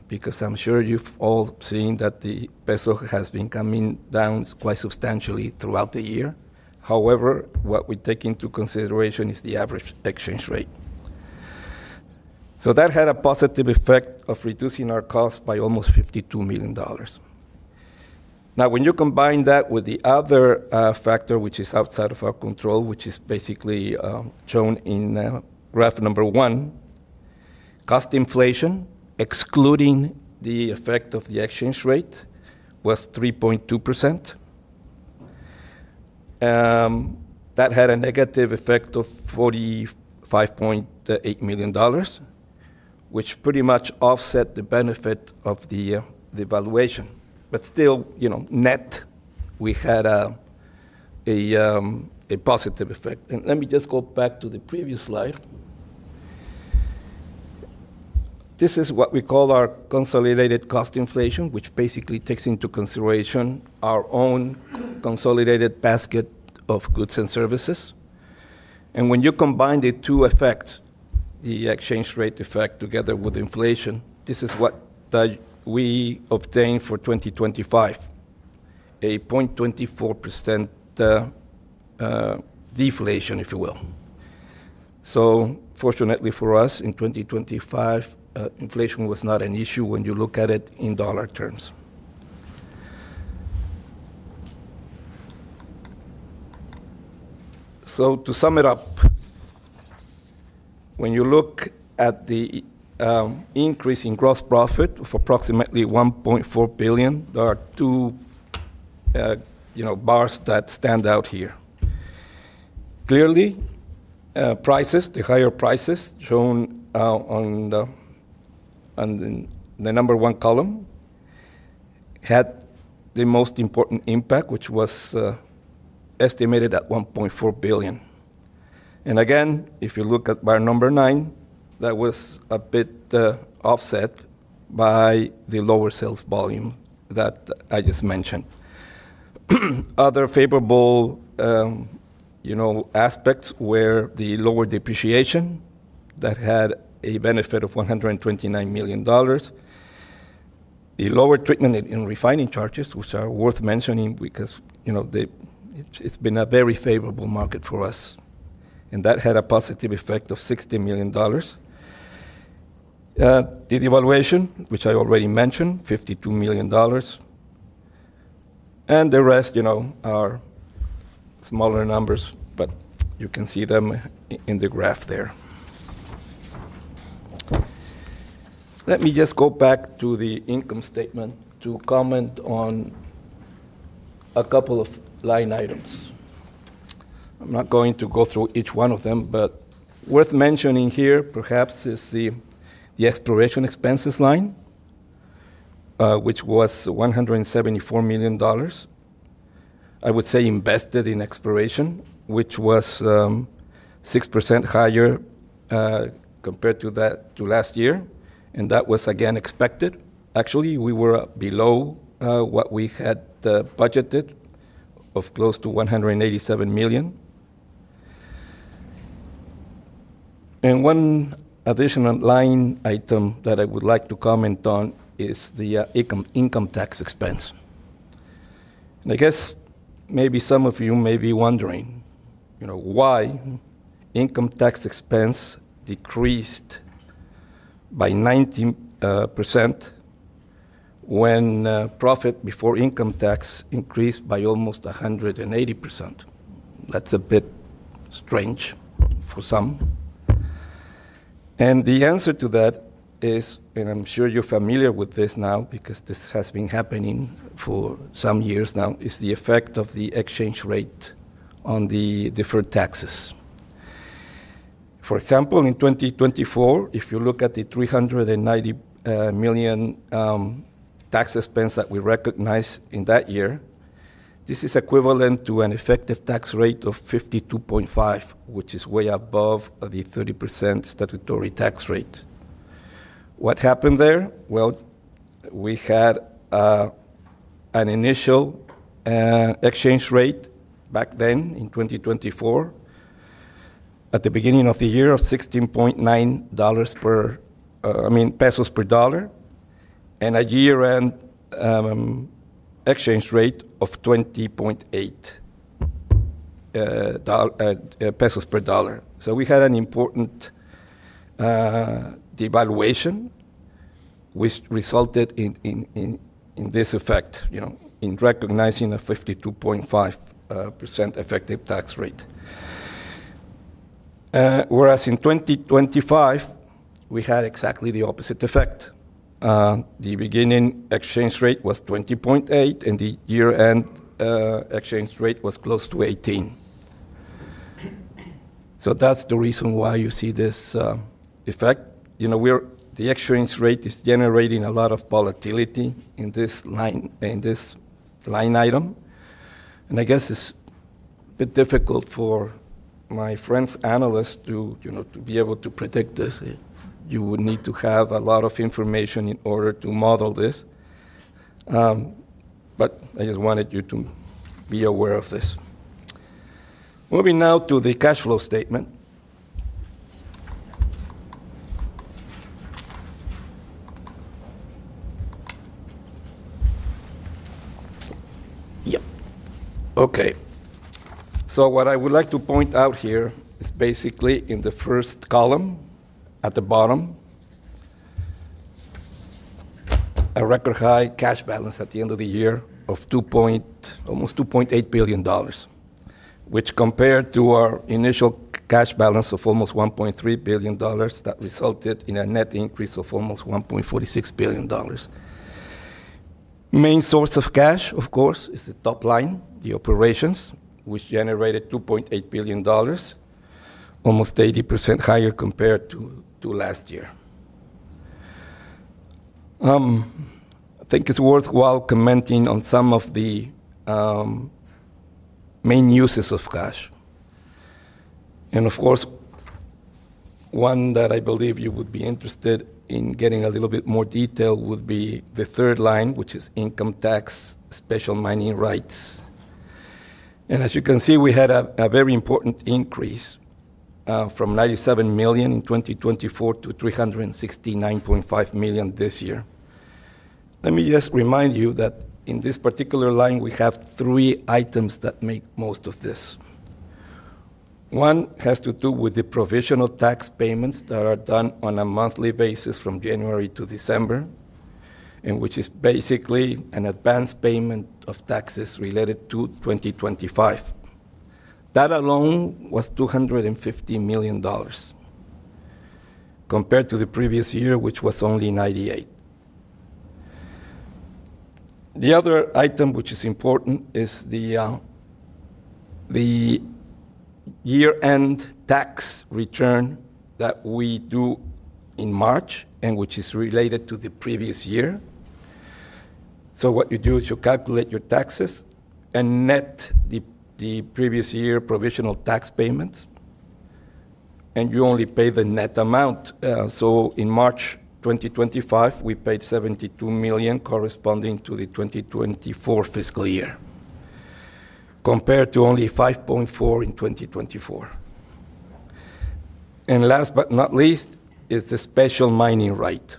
[SPEAKER 5] because I'm sure you've all seen that the peso has been coming down quite substantially throughout the year. However, what we take into consideration is the average exchange rate. That had a positive effect of reducing our cost by almost $52 million. Now, when you combine that with the other factor, which is outside of our control, which is basically shown in graph number one, cost inflation, excluding the effect of the exchange rate, was 3.2%. That had a negative effect of $45.8 million, which pretty much offset the benefit of the evaluation. Still, you know, net, we had a positive effect. Let me just go back to the previous slide. This is what we call our consolidated cost inflation, which basically takes into consideration our own consolidated basket of goods and services. When you combine the two effects, the exchange rate effect together with inflation, this is what we obtained for 2025, a 0.24% deflation, if you will. Fortunately for us, in 2025, inflation was not an issue when you look at it in dollar terms. To sum it up, when you look at the increase in gross profit of approximately $1.4 billion, there are two, you know, bars that stand out here. Clearly, prices, the higher prices shown on the number one column had the most important impact, which was estimated at $1.4 billion. Again, if you look at bar number nine, that was a bit offset by the lower sales volume that I just mentioned. Other favorable, you know, aspects were the lower depreciation that had a benefit of $129 million, the lower treatment in refining charges, which are worth mentioning because, you know, it's been a very favorable market for us. That had a positive effect of $60 million. The devaluation, which I already mentioned, $52 million. The rest, you know, are smaller numbers, but you can see them in the graph there. Let me just go back to the income statement to comment on a couple of line items. I'm not going to go through each one of them, but worth mentioning here perhaps is the exploration expenses line, which was $174 million, I would say invested in exploration, which was 6% higher compared to last year, and that was again expected. Actually, we were below what we had budgeted of close to $187 million. One additional line item that I would like to comment on is the income tax expense. I guess maybe some of you may be wondering, you know, why income tax expense decreased by 19% when profit before income tax increased by almost 180%. That's a bit strange for some. The answer to that is, and I'm sure you're familiar with this now because this has been happening for some years now, is the effect of the exchange rate on the different taxes. For example, in 2024, if you look at the $390 million tax expense that we recognized in that year, this is equivalent to an effective tax rate of 52.5%, which is way above the 30% statutory tax rate. What happened there? Well, we had an initial exchange rate back then in 2024 at the beginning of the year of 16.9 pesos per dollar, and a year-end exchange rate of 20.8 pesos per dollar. We had an important devaluation which resulted in this effect, you know, in recognizing a 52.5% effective tax rate. Whereas in 2025, we had exactly the opposite effect. The beginning exchange rate was 20.8, and the year-end exchange rate was close to 18. That's the reason why you see this effect. You know, the exchange rate is generating a lot of volatility in this line item. I guess it's a bit difficult for my friends analysts to, you know, to be able to predict this. You would need to have a lot of information in order to model this. I just wanted you to be aware of this. Moving now to the cash flow statement. Yep. Okay. What I would like to point out here is basically in the first column at the bottom, a record high cash balance at the end of the year of almost $2.8 billion, which compared to our initial cash balance of almost $1.3 billion, that resulted in a net increase of almost $1.46 billion. Main source of cash, of course, is the top line, the operations, which generated $2.8 billion, almost 80% higher compared to last year. I think it's worthwhile commenting on some of the main uses of cash. Of course, one that I believe you would be interested in getting a little bit more detail would be the third line, which is income tax, Special mining rights. As you can see, we had a very important increase from $97 million in 2024 to $369.5 million this year. Let me just remind you that in this particular line, we have three items that make most of this. One has to do with the provisional tax payments that are done on a monthly basis from January to December, and which is basically an advanced payment of taxes related to 2025. That alone was $250 million compared to the previous year, which was only $98 million. The other item which is important is the year-end tax return that we do in March and which is related to the previous year. What you do is you calculate your taxes and net the previous year provisional tax payments, and you only pay the net amount. In March 2025, we paid $72 million corresponding to the 2024 fiscal year compared to only $5.4 in 2024. Last but not least is the Special mining right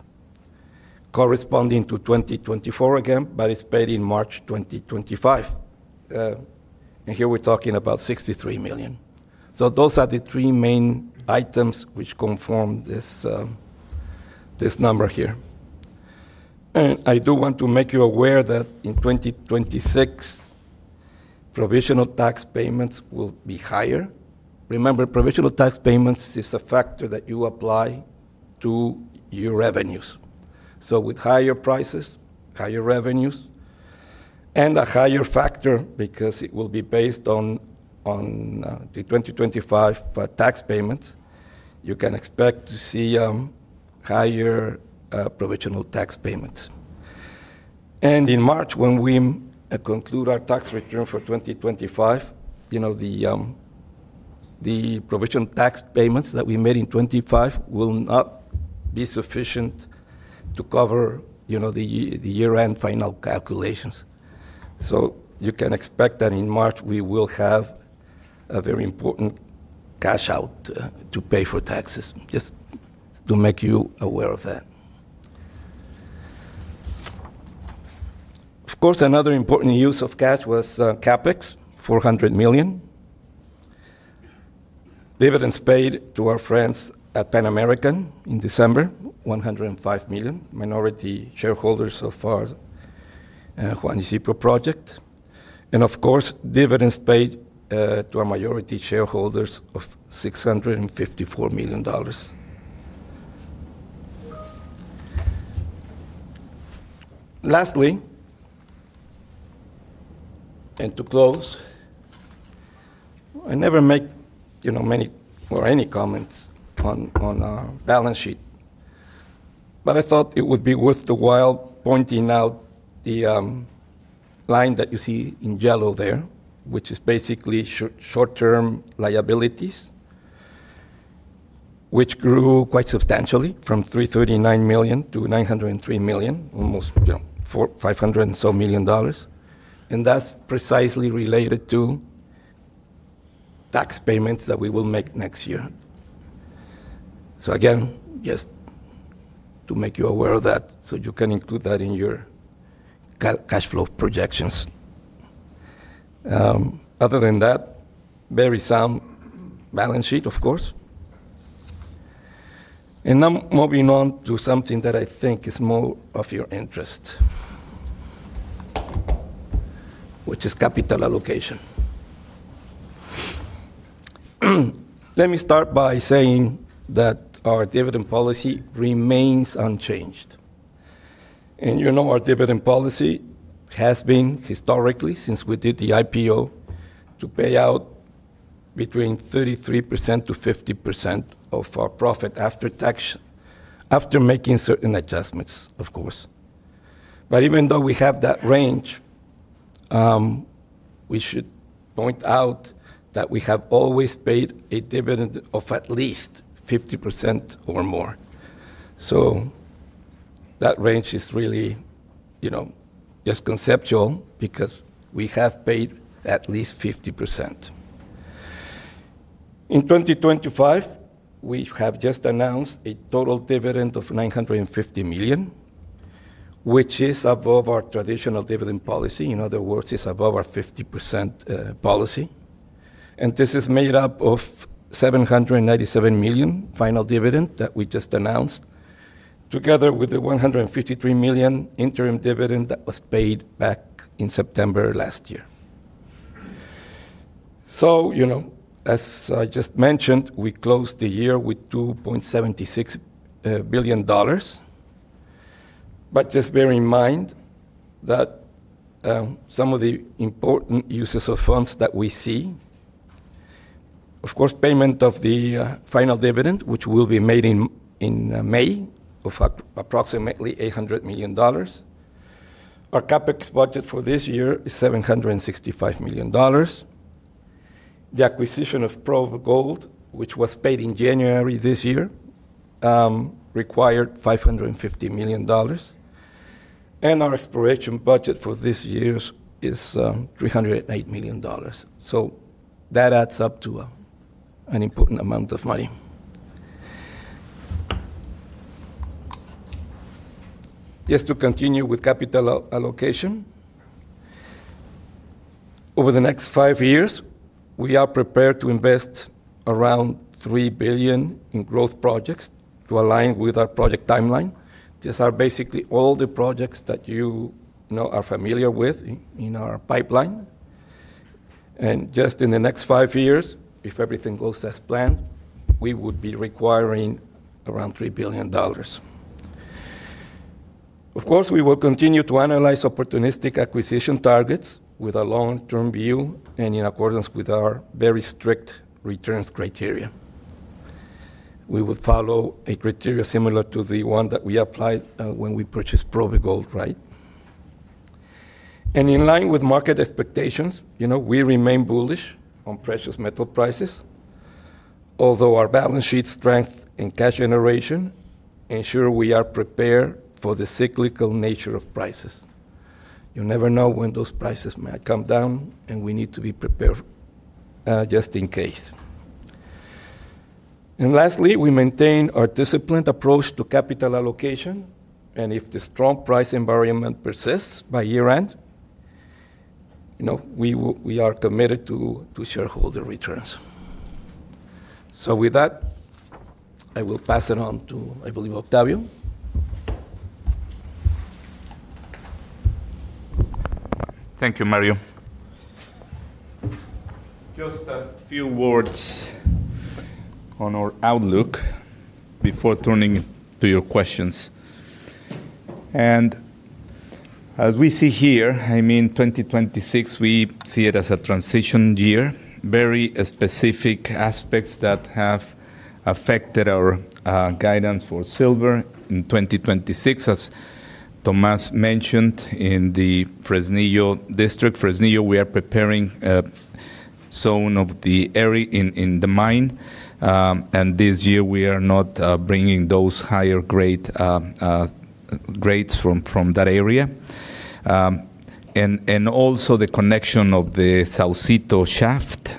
[SPEAKER 5] corresponding to 2024 again, but it's paid in March 2025. Here we're talking about $63 million. Those are the three main items which conform this number here. I do want to make you aware that in 2026, provisional tax payments will be higher. Remember, provisional tax payments is a factor that you apply to your revenues. With higher prices, higher revenues, and a higher factor because it will be based on the 2025 tax payments, you can expect to see higher Provisional tax payments. In March, when we conclude our tax return for 2025, you know, the provisional tax payments that we made in 2025 will not be sufficient to cover, you know, the year-end final calculations. You can expect that in March we will have a very important cash out to pay for taxes, just to make you aware of that. Of course, another important use of cash was CapEx, $400 million. Dividends paid to our friends at Pan American in December, $105 million, minority shareholders of our Juanicipio project. Of course, dividends paid to our majority shareholders of $654 million. Lastly, to close, I never make, you know, many or any comments on our balance sheet. I thought it would be worth the while pointing out the line that you see in yellow there, which is basically short-term liabilities, which grew quite substantially from $339 million to $903 million, almost, you know, $400 million, $500 million and so. That's precisely related to tax payments that we will make next year. Again, just to make you aware of that, so you can include that in your cash flow projections. Other than that, very sound balance sheet, of course. Now moving on to something that I think is more of your interest, which is capital allocation. Let me start by saying that our dividend policy remains unchanged. You know our dividend policy has been historically since we did the IPO to pay out between 33%-50% of our profit after tax, after making certain adjustments, of course. Even though we have that range, we should point out that we have always paid a dividend of at least 50% or more. That range is really, you know, just conceptual because we have paid at least 50%. In 2025, we have just announced a total dividend of $950 million, which is above our traditional dividend policy. In other words, it's above our 50% policy. This is made up of $797 million final dividend that we just announced, together with the $153 million interim dividend that was paid back in September last year. You know, as I just mentioned, we closed the year with $2.76 billion. Just bear in mind that some of the important uses of funds that we see, of course, payment of the final dividend, which will be made in May of approximately $800 million. Our CapEx budget for this year is $765 million. The acquisition of Probe Gold, which was paid in January this year, required $550 million. Our exploration budget for this year is $308 million. That adds up to an important amount of money. Just to continue with capital allocation. Over the next five years, we are prepared to invest around $3 billion in growth projects to align with our project timeline. These are basically all the projects that you know are familiar with in our pipeline. Just in the next five years, if everything goes as planned, we would be requiring around $3 billion. Of course, we will continue to analyze opportunistic acquisition targets with a long-term view and in accordance with our very strict returns criteria. We will follow a criteria similar to the one that we applied when we purchased Probe Gold, right? In line with market expectations, you know, we remain bullish on precious metal prices, although our balance sheet strength and cash generation ensure we are prepared for the cyclical nature of prices. You never know when those prices may come down, and we need to be prepared just in case. Lastly, we maintain our disciplined approach to capital allocation, and if the strong price environment persists by year-end, you know, we are committed to shareholder returns. With that, I will pass it on to, I believe, Octavio.
[SPEAKER 1] Thank you, Mario. Just a few words on our outlook before turning to your questions. As we see here, I mean, 2026, we see it as a transition year. Very specific aspects that have affected our guidance for silver in 2026, as Tomás mentioned, in the Fresnillo district. Fresnillo, we are preparing a zone of the area in the mine, this year we are not bringing those higher grade grades from that area. Also the connection of the Saucito shaft,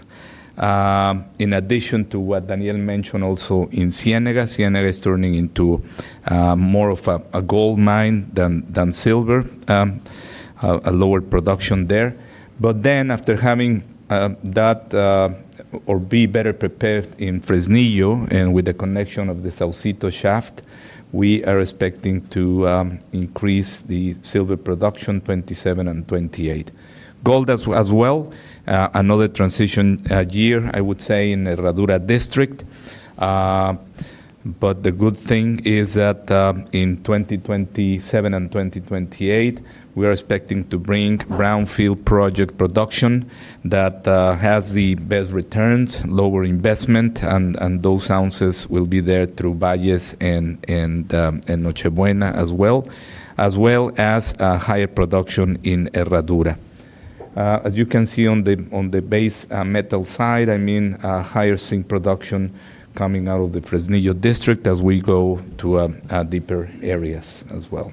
[SPEAKER 1] in addition to what Daniel mentioned also in Ciénega. Ciénega is turning into more of a gold mine than silver. A lower production there. After having that or be better prepared in Fresnillo and with the connection of the Saucito shaft, we are expecting to increase the silver production 2027 and 2028. Gold as well, another transition year, I would say, in Herradura district. The good thing is that in 2027 and 2028, we are expecting to bring brownfield project production that has the best returns, lower investment, and those ounces will be there through Valles and Noche Buena as well, as well as higher production in Herradura. As you can see on the base metal side, I mean, higher zinc production coming out of the Fresnillo district as we go to deeper areas as well.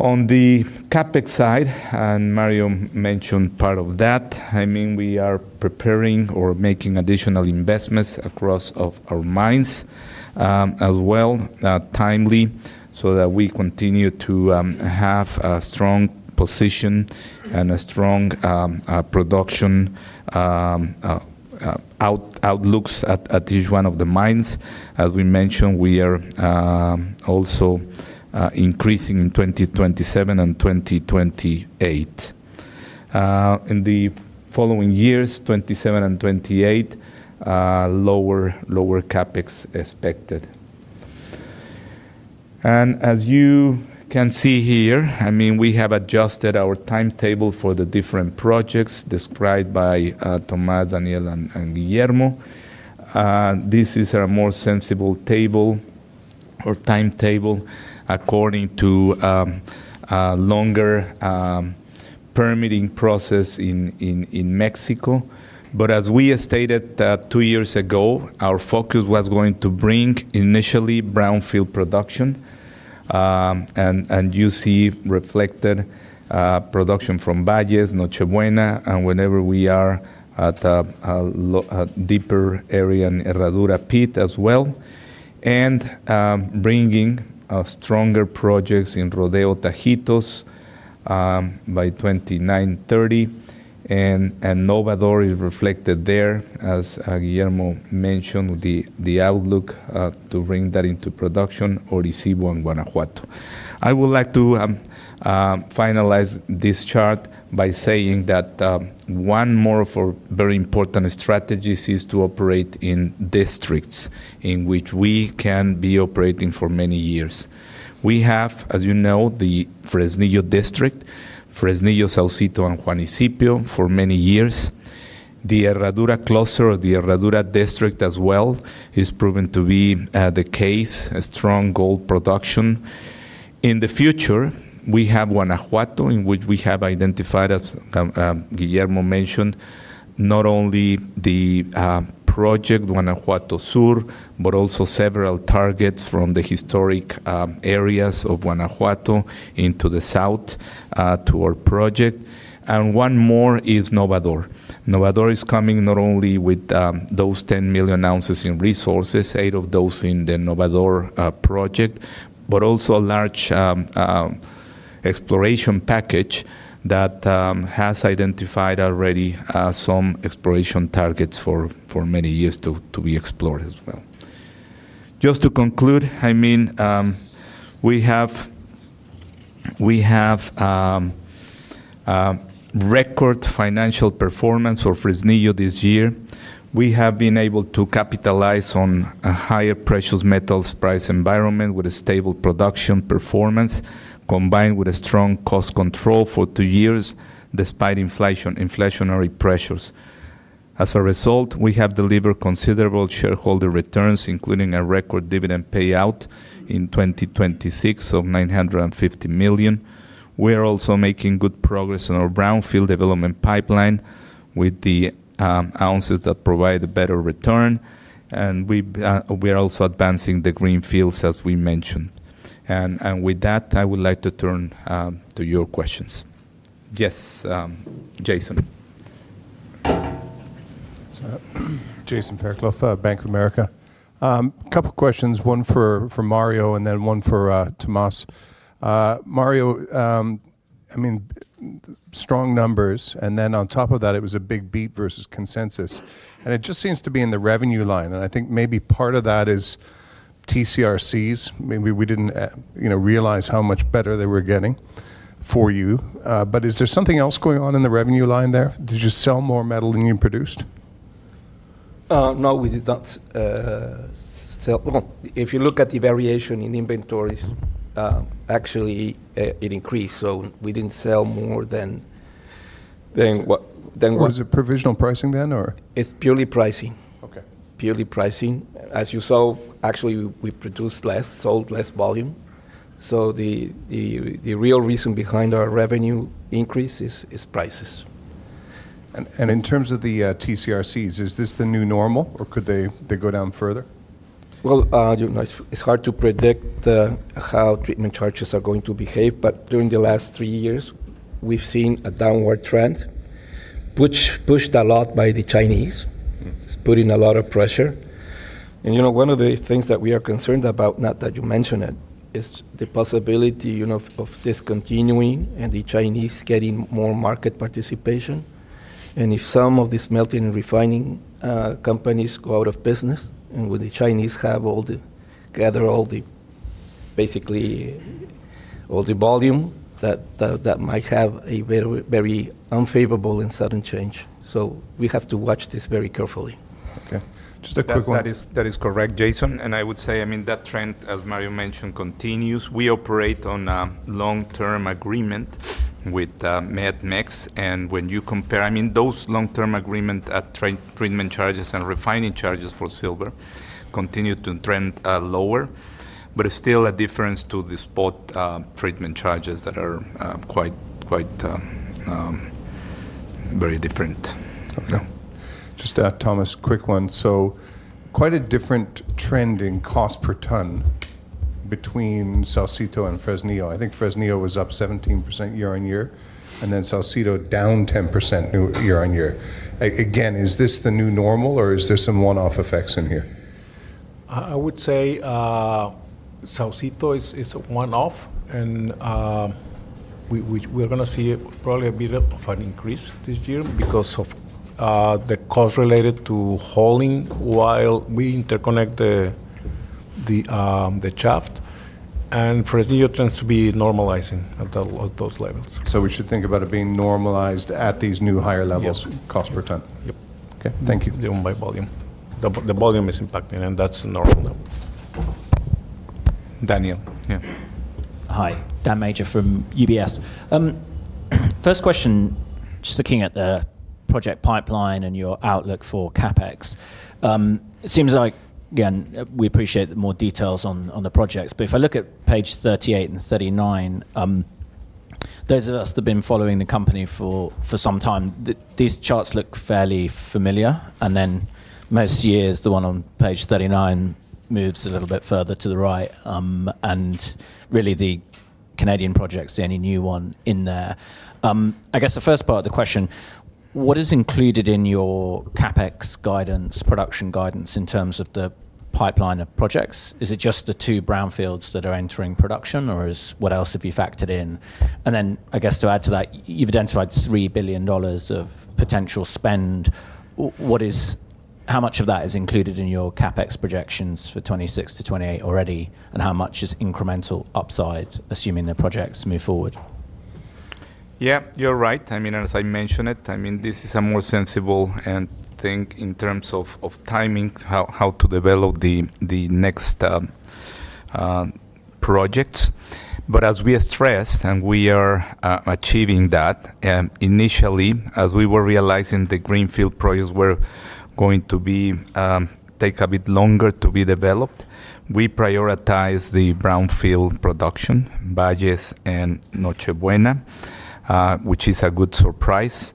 [SPEAKER 1] On the CapEx side, Mario mentioned part of that, I mean, we are preparing or making additional investments across of our mines, as well, timely, so that we continue to have a strong position and a strong production outlooks at each one of the mines. As we mentioned, we are also increasing in 2027 and 2028. In the following years, 2027 and 2028, lower CapEx expected. As you can see here, I mean, we have adjusted our timetable for the different projects described by Tomás, Daniel, and Guillermo. This is a more sensible table or timetable according to a longer permitting process in Mexico. As we stated that two years ago, our focus was going to bring initially brownfield production, and you see reflected production from Valles, Noche Buena, and whenever we are at a deeper area in Herradura pit as well, and bringing stronger projects in Rodeo, Tajitos by 2030. Novador is reflected there, as Guillermo mentioned, the outlook to bring that into production, or El Cubo in Guanajuato. I would like to finalize this chart by saying that one more of our very important strategies is to operate in districts in which we can be operating for many years. We have, as you know, the Fresnillo district, Fresnillo, Saucito, and Juanicipio for many years. The Herradura cluster or the Herradura district as well has proven to be the case, a strong gold production. In the future, we have Guanajuato, in which we have identified, as Guillermo mentioned, not only the project Guanajuato Sur, but also several targets from the historic areas of Guanajuato into the south to our project. One more is Novador. Novador is coming not only with 10 million ounces in resources, 8 million ounces of those in the Novador project, but also a large exploration package that has identified already some exploration targets for many years to be explored as well. Just to conclude, I mean, we have record financial performance for Fresnillo this year. We have been able to capitalize on a higher precious metals price environment with a stable production performance combined with a strong cost control for two years despite inflationary pressures. As a result, we have delivered considerable shareholder returns, including a record dividend payout in 2026 of $950 million. We are also making good progress on our brownfield development pipeline with the ounces that provide a better return. We are also advancing the greenfields as we mentioned. With that, I would like to turn to your questions. Yes, Jason.
[SPEAKER 6] Jason Fairclough, Bank of America. Couple questions, one for Mario and then one for Tomás. Mario, I mean, strong numbers, then on top of that, it was a big beat versus consensus. It just seems to be in the revenue line, I think maybe part of that is TC/RCs. Maybe we didn't, you know, realize how much better they were getting for you. Is there something else going on in the revenue line there? Did you sell more metal than you produced?
[SPEAKER 5] No, we did not. If you look at the variation in inventories, actually, it increased, so we didn't sell.
[SPEAKER 6] Than what?
[SPEAKER 5] Than what.
[SPEAKER 6] Was it provisional pricing then or?
[SPEAKER 5] It's purely pricing.
[SPEAKER 6] Okay.
[SPEAKER 5] Purely pricing. As you saw, actually, we produced less, sold less volume. The real reason behind our revenue increase is prices.
[SPEAKER 6] In terms of the TC/RCs, is this the new normal or could they go down further?
[SPEAKER 5] Well, you know, it's hard to predict how treatment charges are going to behave, but during the last three years, we've seen a downward trend, which pushed a lot by the Chinese.
[SPEAKER 6] Mm-hmm.
[SPEAKER 5] It's putting a lot of pressure. You know, one of the things that we are concerned about, now that you mention it, is the possibility, you know, of discontinuing and the Chinese getting more market participation. If some of these smelting and refining, companies go out of business, and with the Chinese gather all the, basically all the volume, that might have a very, very unfavorable and sudden change. We have to watch this very carefully.
[SPEAKER 6] Okay. Just a quick one—
[SPEAKER 1] That is correct, Jason. I would say, I mean, that trend, as Mario mentioned, continues. We operate on a long-term agreement with Met-Mex. When you compare, I mean, those long-term agreement at treatment charges and refining charges for silver continue to trend lower. It's still a difference to the spot treatment charges that are quite, very different.
[SPEAKER 6] Okay. Just, Tomás, quick one. Quite a different trend in cost per tonne between Saucito and Fresnillo. I think Fresnillo was up 17% year-on-year, and then Saucito down 10% year-on-year. again, is this the new normal or is there some one-off effects in here?
[SPEAKER 2] I would say Saucito is a one-off and we're gonna see probably a bit of an increase this year because of the cost related to hauling while we interconnect the shaft. Fresnillo tends to be normalizing at those levels.
[SPEAKER 6] We should think about it being normalized at these new higher levels—
[SPEAKER 2] Yes.
[SPEAKER 6] —cost per tonne?
[SPEAKER 2] Yep.
[SPEAKER 6] Okay. Thank you.
[SPEAKER 2] By volume. The volume is impacting, and that's normal now.
[SPEAKER 1] Daniel. Yeah.
[SPEAKER 7] Hi. Dan Major from UBS. First question, just looking at the project pipeline and your outlook for CapEx. It seems like, again, we appreciate the more details on the projects. If I look at page 38 and 39, those of us that have been following the company for some time, these charts look fairly familiar. Most years, the one on page 39 moves a little bit further to the right. Really the Canadian projects, the only new one in there. I guess the first part of the question, what is included in your CapEx guidance, production guidance in terms of the pipeline of projects? Is it just the two brownfields that are entering production or what else have you factored in? I guess to add to that, you've identified $3 billion of potential spend. What is how much of that is included in your CapEx projections for 2026-2028 already, and how much is incremental upside, assuming the projects move forward?
[SPEAKER 1] Yeah, you're right. I mean, as I mentioned it, I mean, this is a more sensible and think in terms of timing, how to develop the next project. But as we stressed, and we are achieving that, initially, as we were realizing the greenfield projects were going to be take a bit longer to be developed, we prioritize the brownfield production, Valles and Noche Buena, which is a good surprise.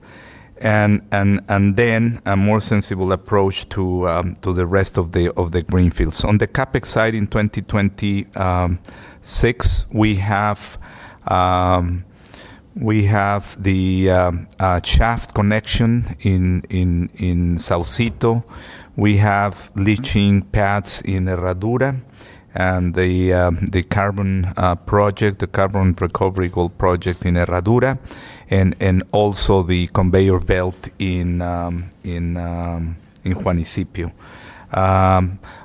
[SPEAKER 1] A more sensible approach to the rest of the greenfields. On the CapEx side in 2026, we have the shaft connection in Saucito. We have leaching pads in Herradura and the carbon project, the carbon recovery gold project in Herradura and also the conveyor belt in Juanicipio.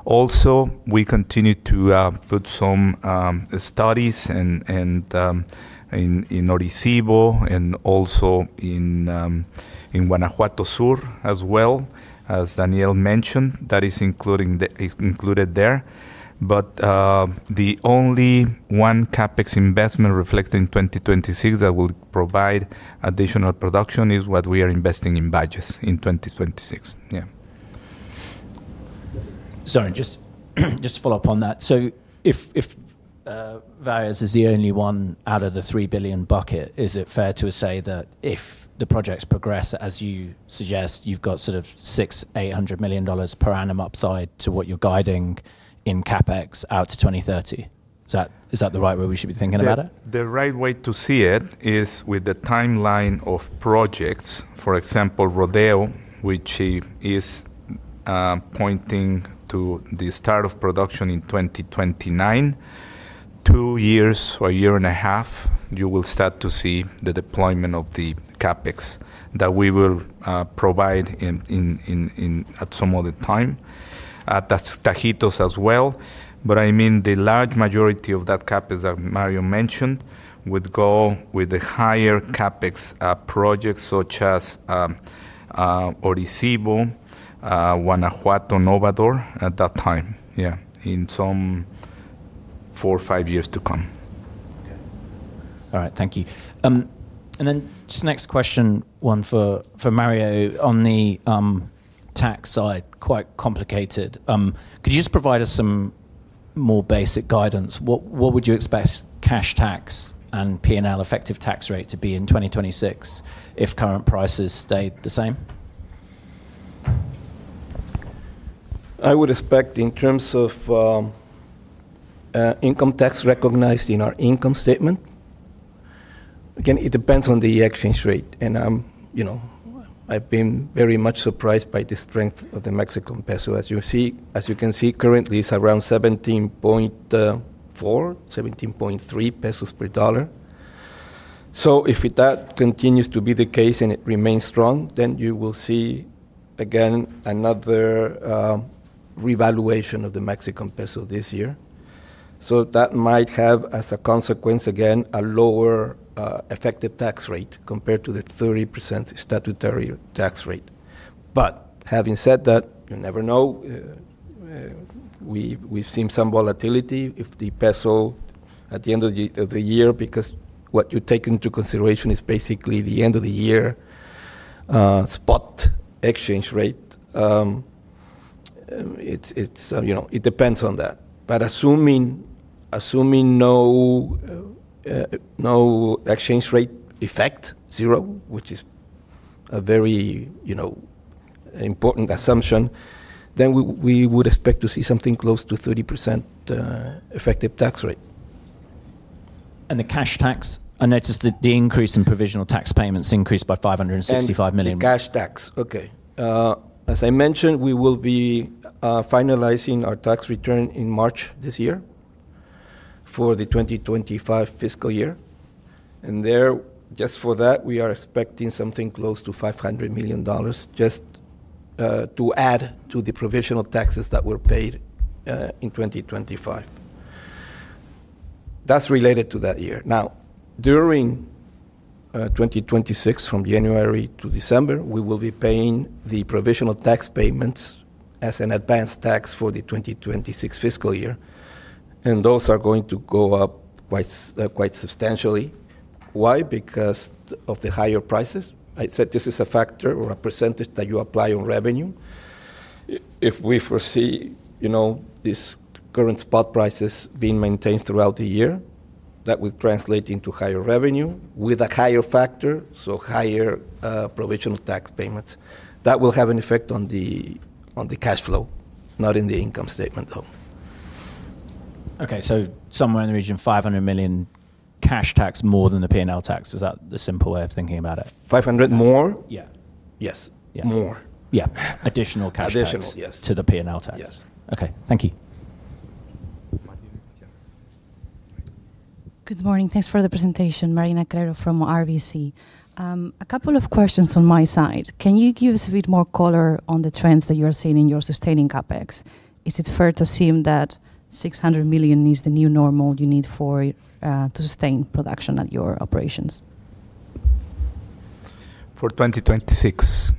[SPEAKER 1] Also we continue to put some studies and in Orisyvo and also in Guanajuato Sur as well, as Daniel mentioned. That is included there. The only one CapEx investment reflected in 2026 that will provide additional production is what we are investing in Valles in 2026. Yeah.
[SPEAKER 7] Sorry, just to follow up on that. If Valles is the only one out of the $3 billion bucket, is it fair to say that if the projects progress as you suggest, you've got sort of $600 million-$800 million per annum upside to what you're guiding in CapEx out to 2030? Is that the right way we should be thinking about it?
[SPEAKER 1] The right way to see it is with the timeline of projects, for example, Rodeo, which is pointing to the start of production in 2029. Two years or a year and a half, you will start to see the deployment of the CapEx that we will provide at some other time. That's Tajitos as well. I mean, the large majority of that CapEx that Mario Arreguín mentioned would go with the higher CapEx projects such as Orisyvo, Guanajuato, Novador at that time. Yeah. In some four or five years to come.
[SPEAKER 7] Okay. All right, thank you. Just next question, one for Mario on the tax side, quite complicated. Could you just provide us some more basic guidance? What would you expect cash tax and P&L effective tax rate to be in 2026 if current prices stayed the same?
[SPEAKER 5] I would expect in terms of income tax recognized in our income statement. Again, it depends on the exchange rate, and, you know, I've been very much surprised by the strength of the Mexican peso. As you can see, currently it's around 17.4, 17.3 pesos per dollar. If that continues to be the case and it remains strong, then you will see again another revaluation of the Mexican peso this year. That might have as a consequence, again, a lower effective tax rate compared to the 30% statutory tax rate. Having said that, you never know. We've seen some volatility. If the peso at the end of the year, because what you take into consideration is basically the end of the year, spot exchange rate, it's, you know, it depends on that. Assuming no exchange rate effect, zero, which is a very, you know, important assumption, we would expect to see something close to 30%, effective tax rate.
[SPEAKER 7] The cash tax, I noticed that the increase in provisional tax payments increased by $565 million.
[SPEAKER 5] The cash tax. Okay. As I mentioned, we will be finalizing our tax return in March this year for the 2025 fiscal year. There, just for that, we are expecting something close to $500 million just to add to the provisional tax payments that were paid in 2025. That's related to that year. Now, during 2026, from January to December, we will be paying the provisional tax payments as an advanced tax for the 2026 fiscal year, and those are going to go up quite substantially. Why? Because of the higher prices. I said this is a factor or a percent that you apply on revenue. If we foresee, you know, these current spot prices being maintained throughout the year, that will translate into higher revenue with a higher factor, so higher provisional tax payments. That will have an effect on the cash flow, not in the income statement, though.
[SPEAKER 7] Okay. Somewhere in the region, $500 million cash tax more than the P&L tax. Is that the simple way of thinking about it?
[SPEAKER 5] $500 million more?
[SPEAKER 7] Yeah.
[SPEAKER 5] Yes.
[SPEAKER 7] Yeah.
[SPEAKER 5] More.
[SPEAKER 7] Yeah. Additional cash—
[SPEAKER 5] Additional, yes
[SPEAKER 7] —to the P&L tax
[SPEAKER 5] Yes.
[SPEAKER 7] Okay. Thank you.
[SPEAKER 1] Marina. Yeah.
[SPEAKER 8] Good morning. Thanks for the presentation. Marina Calero from RBC. A couple of questions on my side. Can you give us a bit more color on the trends that you're seeing in your sustaining CapEx? Is it fair to assume that $600 million is the new normal you need to sustain production at your operations?
[SPEAKER 1] For 2026?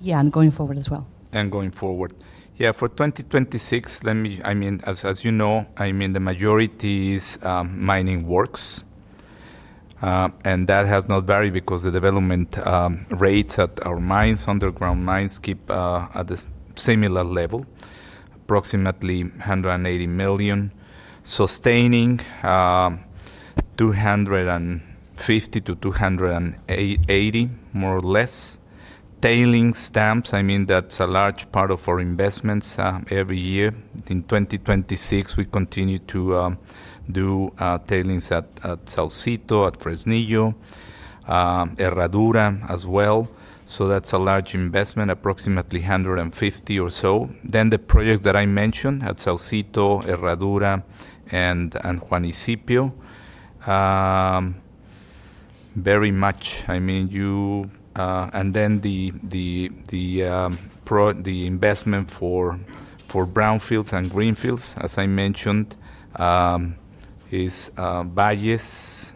[SPEAKER 8] Yeah, going forward as well.
[SPEAKER 1] Going forward. For 2026, I mean, as you know, I mean, the majority is mining works. That has not varied because the development rates at our mines, underground mines keep at the similar level, approximately $180 million. Sustaining, $250 million-$280 million, more or less. Tailings dams, I mean, that's a large part of our investments every year. In 2026, we continue to do tailings at Saucito, at Fresnillo, Herradura as well. That's a large investment, approximately $150 million or so. The project that I mentioned at Saucito, Herradura, and Juanicipio, very much, I mean, you—the investment for brownfields and greenfields, as I mentioned, is Valles,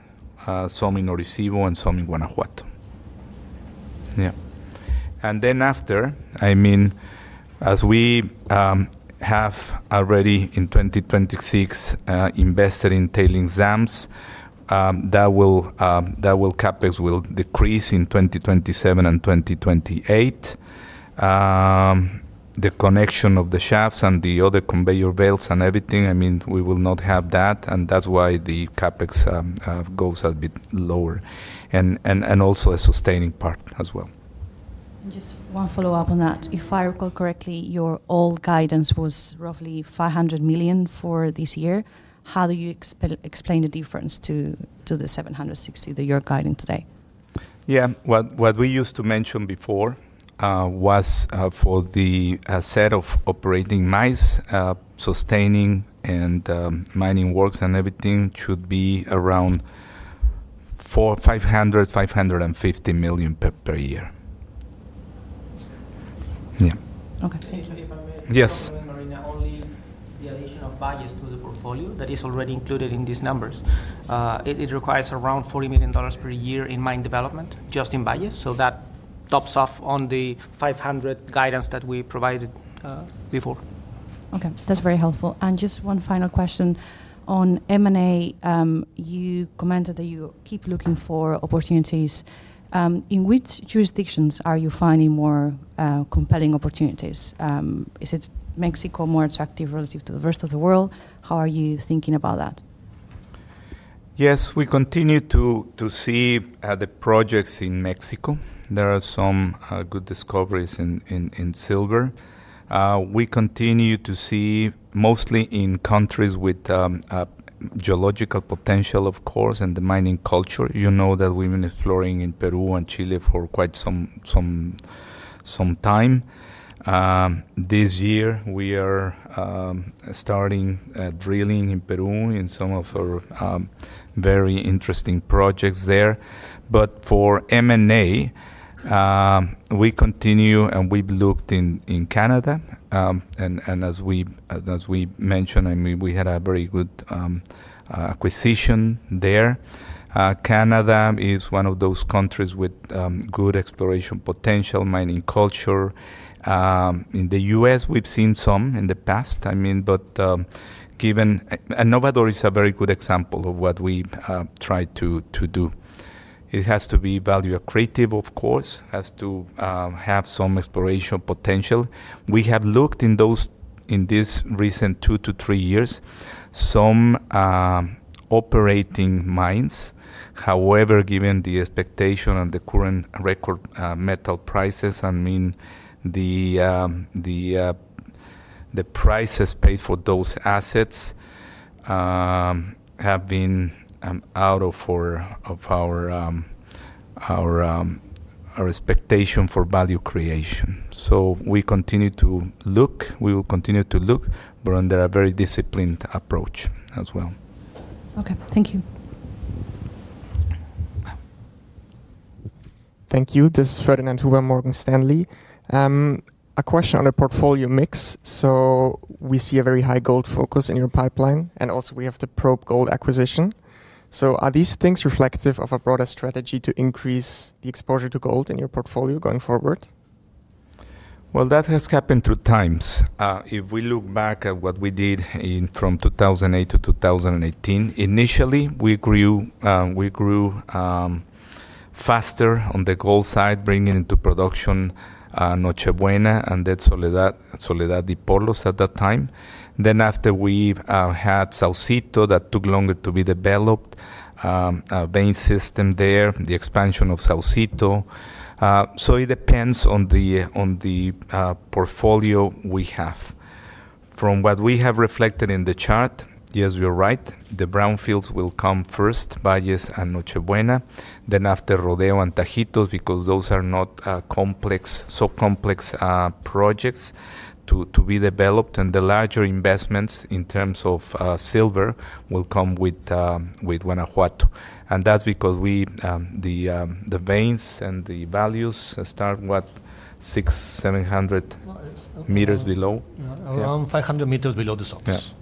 [SPEAKER 1] Somin Orisyvo, and Somin Guanajuato. Yeah. After, I mean, as we have already in 2026 invested in tailings dams, that will CapEx will decrease in 2027 and 2028. The connection of the shafts and the other conveyor belts and everything, I mean, we will not have that, and that's why the CapEx goes a bit lower and also a sustaining part as well.
[SPEAKER 8] Just one follow-up on that. If I recall correctly, your old guidance was roughly $500 million for this year. How do you explain the difference to the $760 million that you're guiding today?
[SPEAKER 1] Yeah. What we used to mention before, was for the set of operating mines, sustaining and mining works and everything should be around $400 million or $500 million, $550 million per year. Yeah.
[SPEAKER 8] Okay.
[SPEAKER 3] If I may.
[SPEAKER 1] Yes.
[SPEAKER 3] Only the addition of Valles to the portfolio that is already included in these numbers. It requires around $40 million per year in mine development, just in Valles. That tops off on the $500 million guidance that we provided before.
[SPEAKER 8] Okay. That's very helpful. Just one final question. On M&A, you commented that you keep looking for opportunities. In which jurisdictions are you finding more compelling opportunities? Is it Mexico more attractive relative to the rest of the world? How are you thinking about that?
[SPEAKER 1] Yes, we continue to see the projects in Mexico. There are some good discoveries in silver. We continue to see mostly in countries with geological potential, of course, and the mining culture. You know that we've been exploring in Peru and Chile for quite some time. This year we are starting drilling in Peru in some of our very interesting projects there. For M&A, we continue, and we've looked in Canada. As we mentioned, I mean, we had a very good acquisition there. Canada is one of those countries with good exploration potential, mining culture. In the U.S., we've seen some in the past, I mean, but given...Novador is a very good example of what we try to do. It has to be value accretive, of course. It has to have some exploration potential. We have looked in this recent two to three years, some operating mines. However, given the expectation and the current record metal prices, I mean, the prices paid for those assets have been out of our expectation for value creation. We continue to look. We will continue to look, but under a very disciplined approach as well.
[SPEAKER 8] Okay. Thank you.
[SPEAKER 9] Thank you. This is Ferdinand Huber, Morgan Stanley. A question on the portfolio mix. We see a very high gold focus in your pipeline, and also we have the Probe Gold acquisition. Are these things reflective of a broader strategy to increase the exposure to gold in your portfolio going forward?
[SPEAKER 1] Well, that has happened through times. If we look back at what we did in from 2008 to 2018, initially, we grew faster on the gold side, bringing into production Noche Buena and then Soledad-Dipolos at that time. After we've had Saucito, that took longer to be developed, vein system there, the expansion of Saucito. It depends on the portfolio we have. From what we have reflected in the chart, yes, you're right. The brownfields will come first, Valles and Noche Buena. After Rodeo and Tajitos, because those are not complex projects to be developed. The larger investments in terms of silver will come with Guanajuato. That's because we, the veins and the values start what? 600 m, 700 m below.
[SPEAKER 2] Around 500 m below the surface.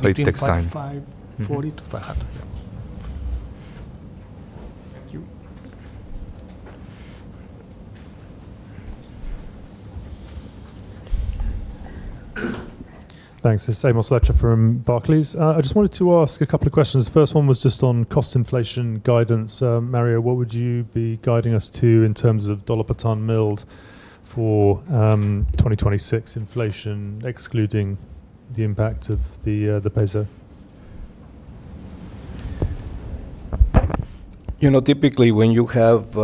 [SPEAKER 1] Yeah. It takes time.
[SPEAKER 2] Between 500 m-540 m.
[SPEAKER 1] Yeah.
[SPEAKER 9] Thank you.
[SPEAKER 10] Thanks. This is Amos Fletcher from Barclays. I just wanted to ask a couple of questions. The first one was just on cost inflation guidance. Mario, what would you be guiding us to in terms of dollar per tonne milled for 2026 inflation, excluding the impact of the peso?
[SPEAKER 5] You know, typically, when you have,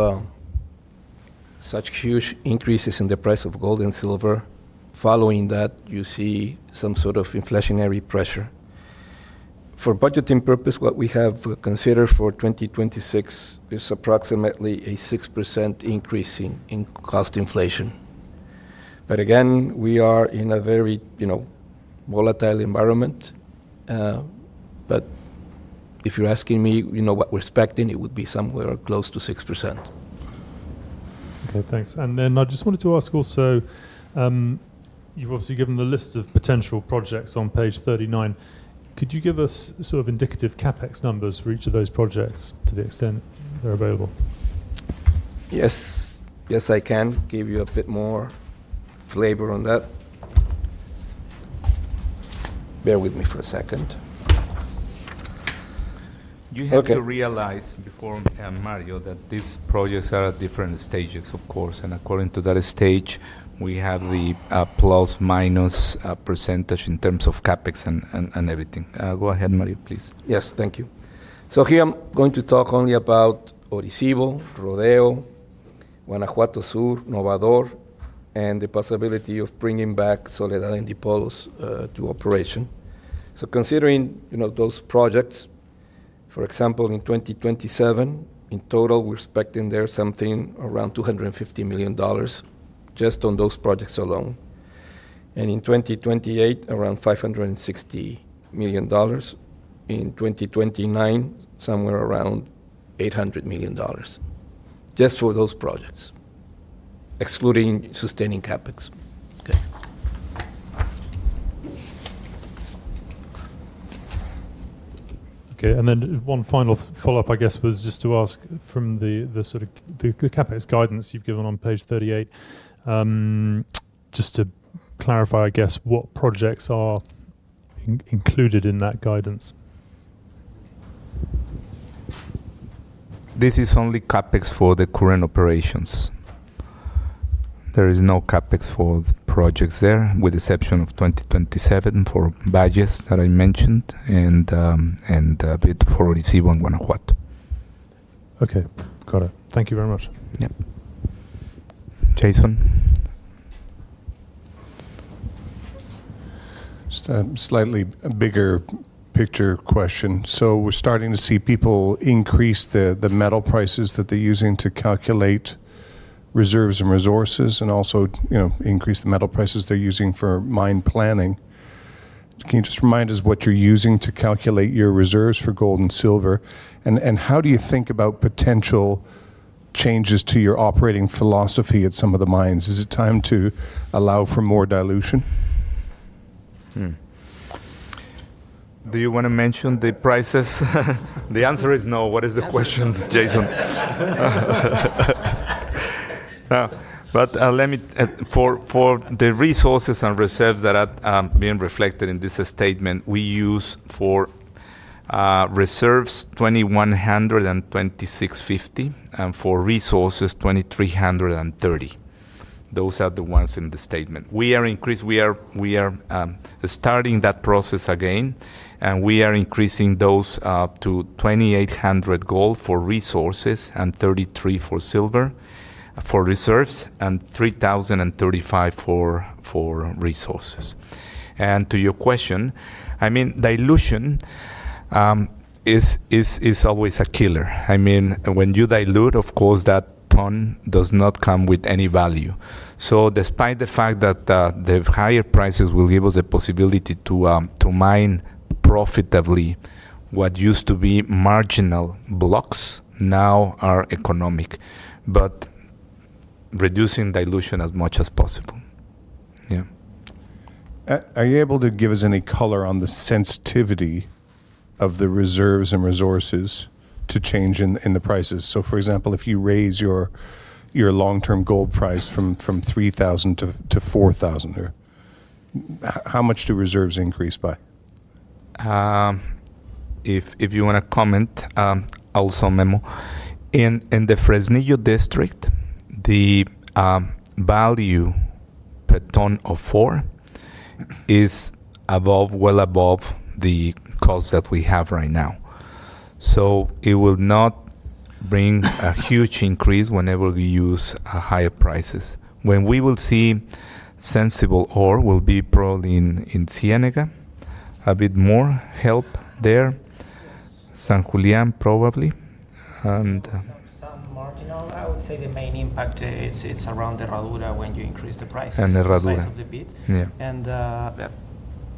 [SPEAKER 5] such huge increases in the price of gold and silver, following that, you see some sort of inflationary pressure. For budgeting purpose, what we have considered for 2026 is approximately a 6% increase in cost inflation. Again, we are in a very, you know, volatile environment. If you're asking me, you know, what we're expecting, it would be somewhere close to 6%.
[SPEAKER 10] Okay, thanks. I just wanted to ask also, you've obviously given the list of potential projects on page 39. Could you give us sort of indicative CapEx numbers for each of those projects to the extent they're available?
[SPEAKER 1] Yes. Yes, I can give you a bit more flavor on that. Bear with me for a second. You have to realize before, Mario, that these projects are at different stages, of course. According to that stage, we have the ± percentage in terms of CapEx and everything. Go ahead, Mario, please.
[SPEAKER 5] Yes. Thank you. Here, I'm going to talk only about Orisyvo, Rodeo, Guanajuato Sur, Novador, and the possibility of bringing back Soledad and Dipolos to operation. Considering, you know, those projects, for example, in 2027, in total, we're expecting there something around $250 million just on those projects alone. In 2028, around $560 million. In 2029, somewhere around $800 million just for those projects, excluding sustaining CapEx.
[SPEAKER 10] Okay. Then one final follow-up, I guess, was just to ask from the CapEx guidance you've given on page 38, just to clarify, I guess, what projects are included in that guidance?
[SPEAKER 1] This is only CapEx for the current operations. There is no CapEx for the projects there, with exception of 2027 for budgets that I mentioned and a bit for Orisyvo on Guanajuato.
[SPEAKER 10] Okay. Got it. Thank you very much.
[SPEAKER 1] Yep. Jason.
[SPEAKER 6] Just a slightly bigger picture question. We're starting to see people increase the metal prices that they're using to calculate reserves and resources and also, you know, increase the metal prices they're using for mine planning. Can you just remind us what you're using to calculate your reserves for gold and silver? How do you think about potential changes to your operating philosophy at some of the mines? Is it time to allow for more dilution?
[SPEAKER 1] Do you wanna mention the prices? The answer is no. What is the question, Jason? For the resources and reserves that are being reflected in this statement, we use for reserves, $2,100 gold and $26.50 silver and for resources, $2,300 gold and $30 silver. Those are the ones in the statement. We are starting that process again, we are increasing those to $2,800 gold for resources and $33 for silver for reserves, and $3,000 gold and $35 silver for resources. To your question, I mean, dilution is always a killer. I mean, when you dilute, of course, that tonne does not come with any value. Despite the fact that, the higher prices will give us a possibility to mine profitably what used to be marginal blocks now are economic, but reducing dilution as much as possible. Yeah.
[SPEAKER 6] Are you able to give us any color on the sensitivity of the reserves and resources to change in the prices? For example, if you raise your long-term gold price from $3,000 to $4,000 there, how much do reserves increase by?
[SPEAKER 1] If you wanna comment, also, Memo. In the Fresnillo district, the value per tonne of four is above, well above the cost that we have right now. It will not bring a huge increase whenever we use a higher prices. When we will see sensible ore will be probably in Ciénega, a bit more help there. San Julián, probably.
[SPEAKER 3] Some marginal. I would say the main impact, it's around the Herradura when you increase the prices.
[SPEAKER 1] The Herradura.
[SPEAKER 3] The size of the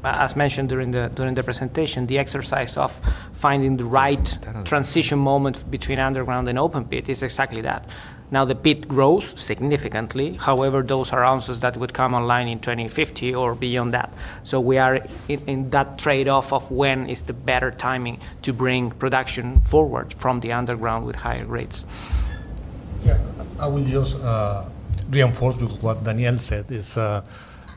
[SPEAKER 3] pit.
[SPEAKER 1] Yeah.
[SPEAKER 3] As mentioned during the presentation, the exercise of finding the right transition moment between underground and open pit is exactly that. Now, the pit grows significantly. However, those are answers that would come online in 2050 or beyond that. We are in that trade-off of when is the better timing to bring production forward from the underground with higher rates.
[SPEAKER 4] Yeah. I will just reinforce with what Daniel said, is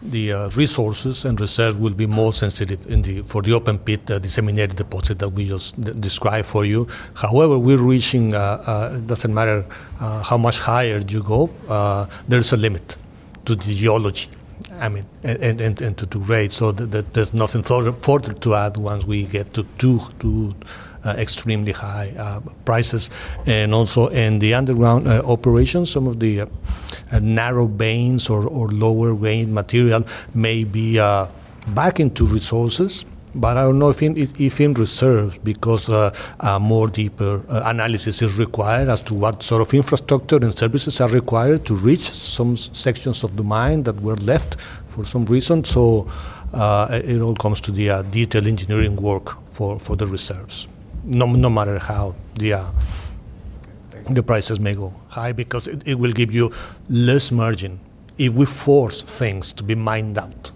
[SPEAKER 4] the resources and reserves will be more sensitive for the open-pit, the disseminated deposit that we just described for you. However, we're reaching, it doesn't matter how much higher you go, there's a limit to the geology. I mean, and to the rate. There's nothing further to add once we get to extremely high prices. Also in the underground operation, some of the narrow veins or lower vein material may be back into resources. I don't know if in reserves because a more deeper analysis is required as to what sort of infrastructure and services are required to reach some sections of the mine that were left for some reason. It all comes to the detailed engineering work for the reserves, no matter how the prices may go high because it will give you less margin if we force things to be mined out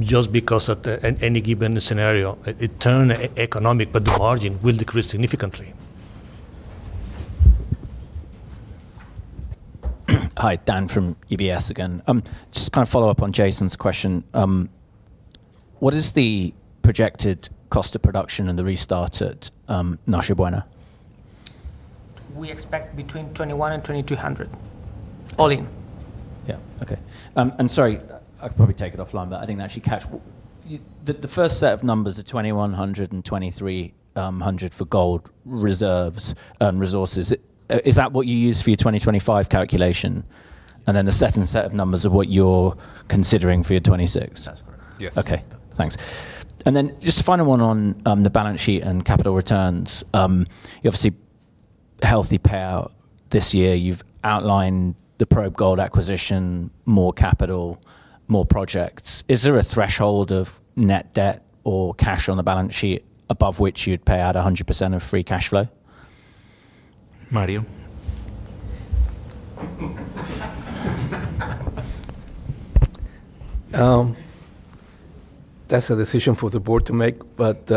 [SPEAKER 4] just because at any given scenario, it turn economic, but the margin will decrease significantly.
[SPEAKER 7] Hi, Dan from UBS again. Just to kind of follow up on Jason's question, what is the projected cost of production in the restart at Noche Buena?
[SPEAKER 3] We expect between $2,100 and $2,200 all in.
[SPEAKER 7] Yeah. Okay. Sorry, I could probably take it offline, but I didn't actually catch. The first set of numbers are $2,100 and $2,300 for gold reserves and resources. Is that what you used for your 2025 calculation? The second set of numbers are what you're considering for your 2026?
[SPEAKER 3] That's correct.
[SPEAKER 1] Yes.
[SPEAKER 7] Okay. Thanks. Just a final one on the balance sheet and capital returns. You obviously healthy payout this year. You've outlined the Probe Gold acquisition, more capital, more projects. Is there a threshold of net debt or cash on the balance sheet above which you'd pay out a 100% of free cash flow?
[SPEAKER 1] Mario?
[SPEAKER 5] That's a decision for the board to make, but, you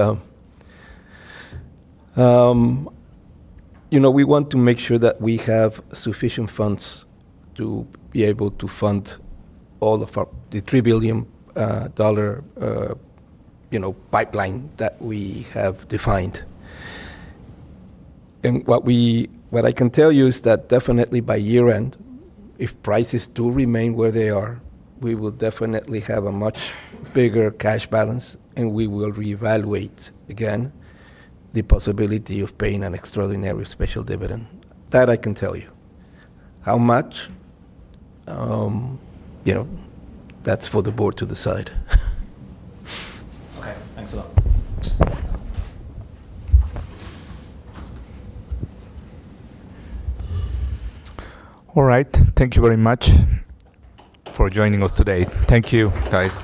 [SPEAKER 5] know, we want to make sure that we have sufficient funds to be able to fund all of our... the $3 billion, you know, pipeline that we have defined. What I can tell you is that definitely by year-end, if prices do remain where they are, we will definitely have a much bigger cash balance, and we will reevaluate again the possibility of paying an extraordinary special dividend. That I can tell you. How much? You know, that's for the board to decide.
[SPEAKER 7] Okay. Thanks a lot.
[SPEAKER 1] All right. Thank you very much for joining us today. Thank you, guys.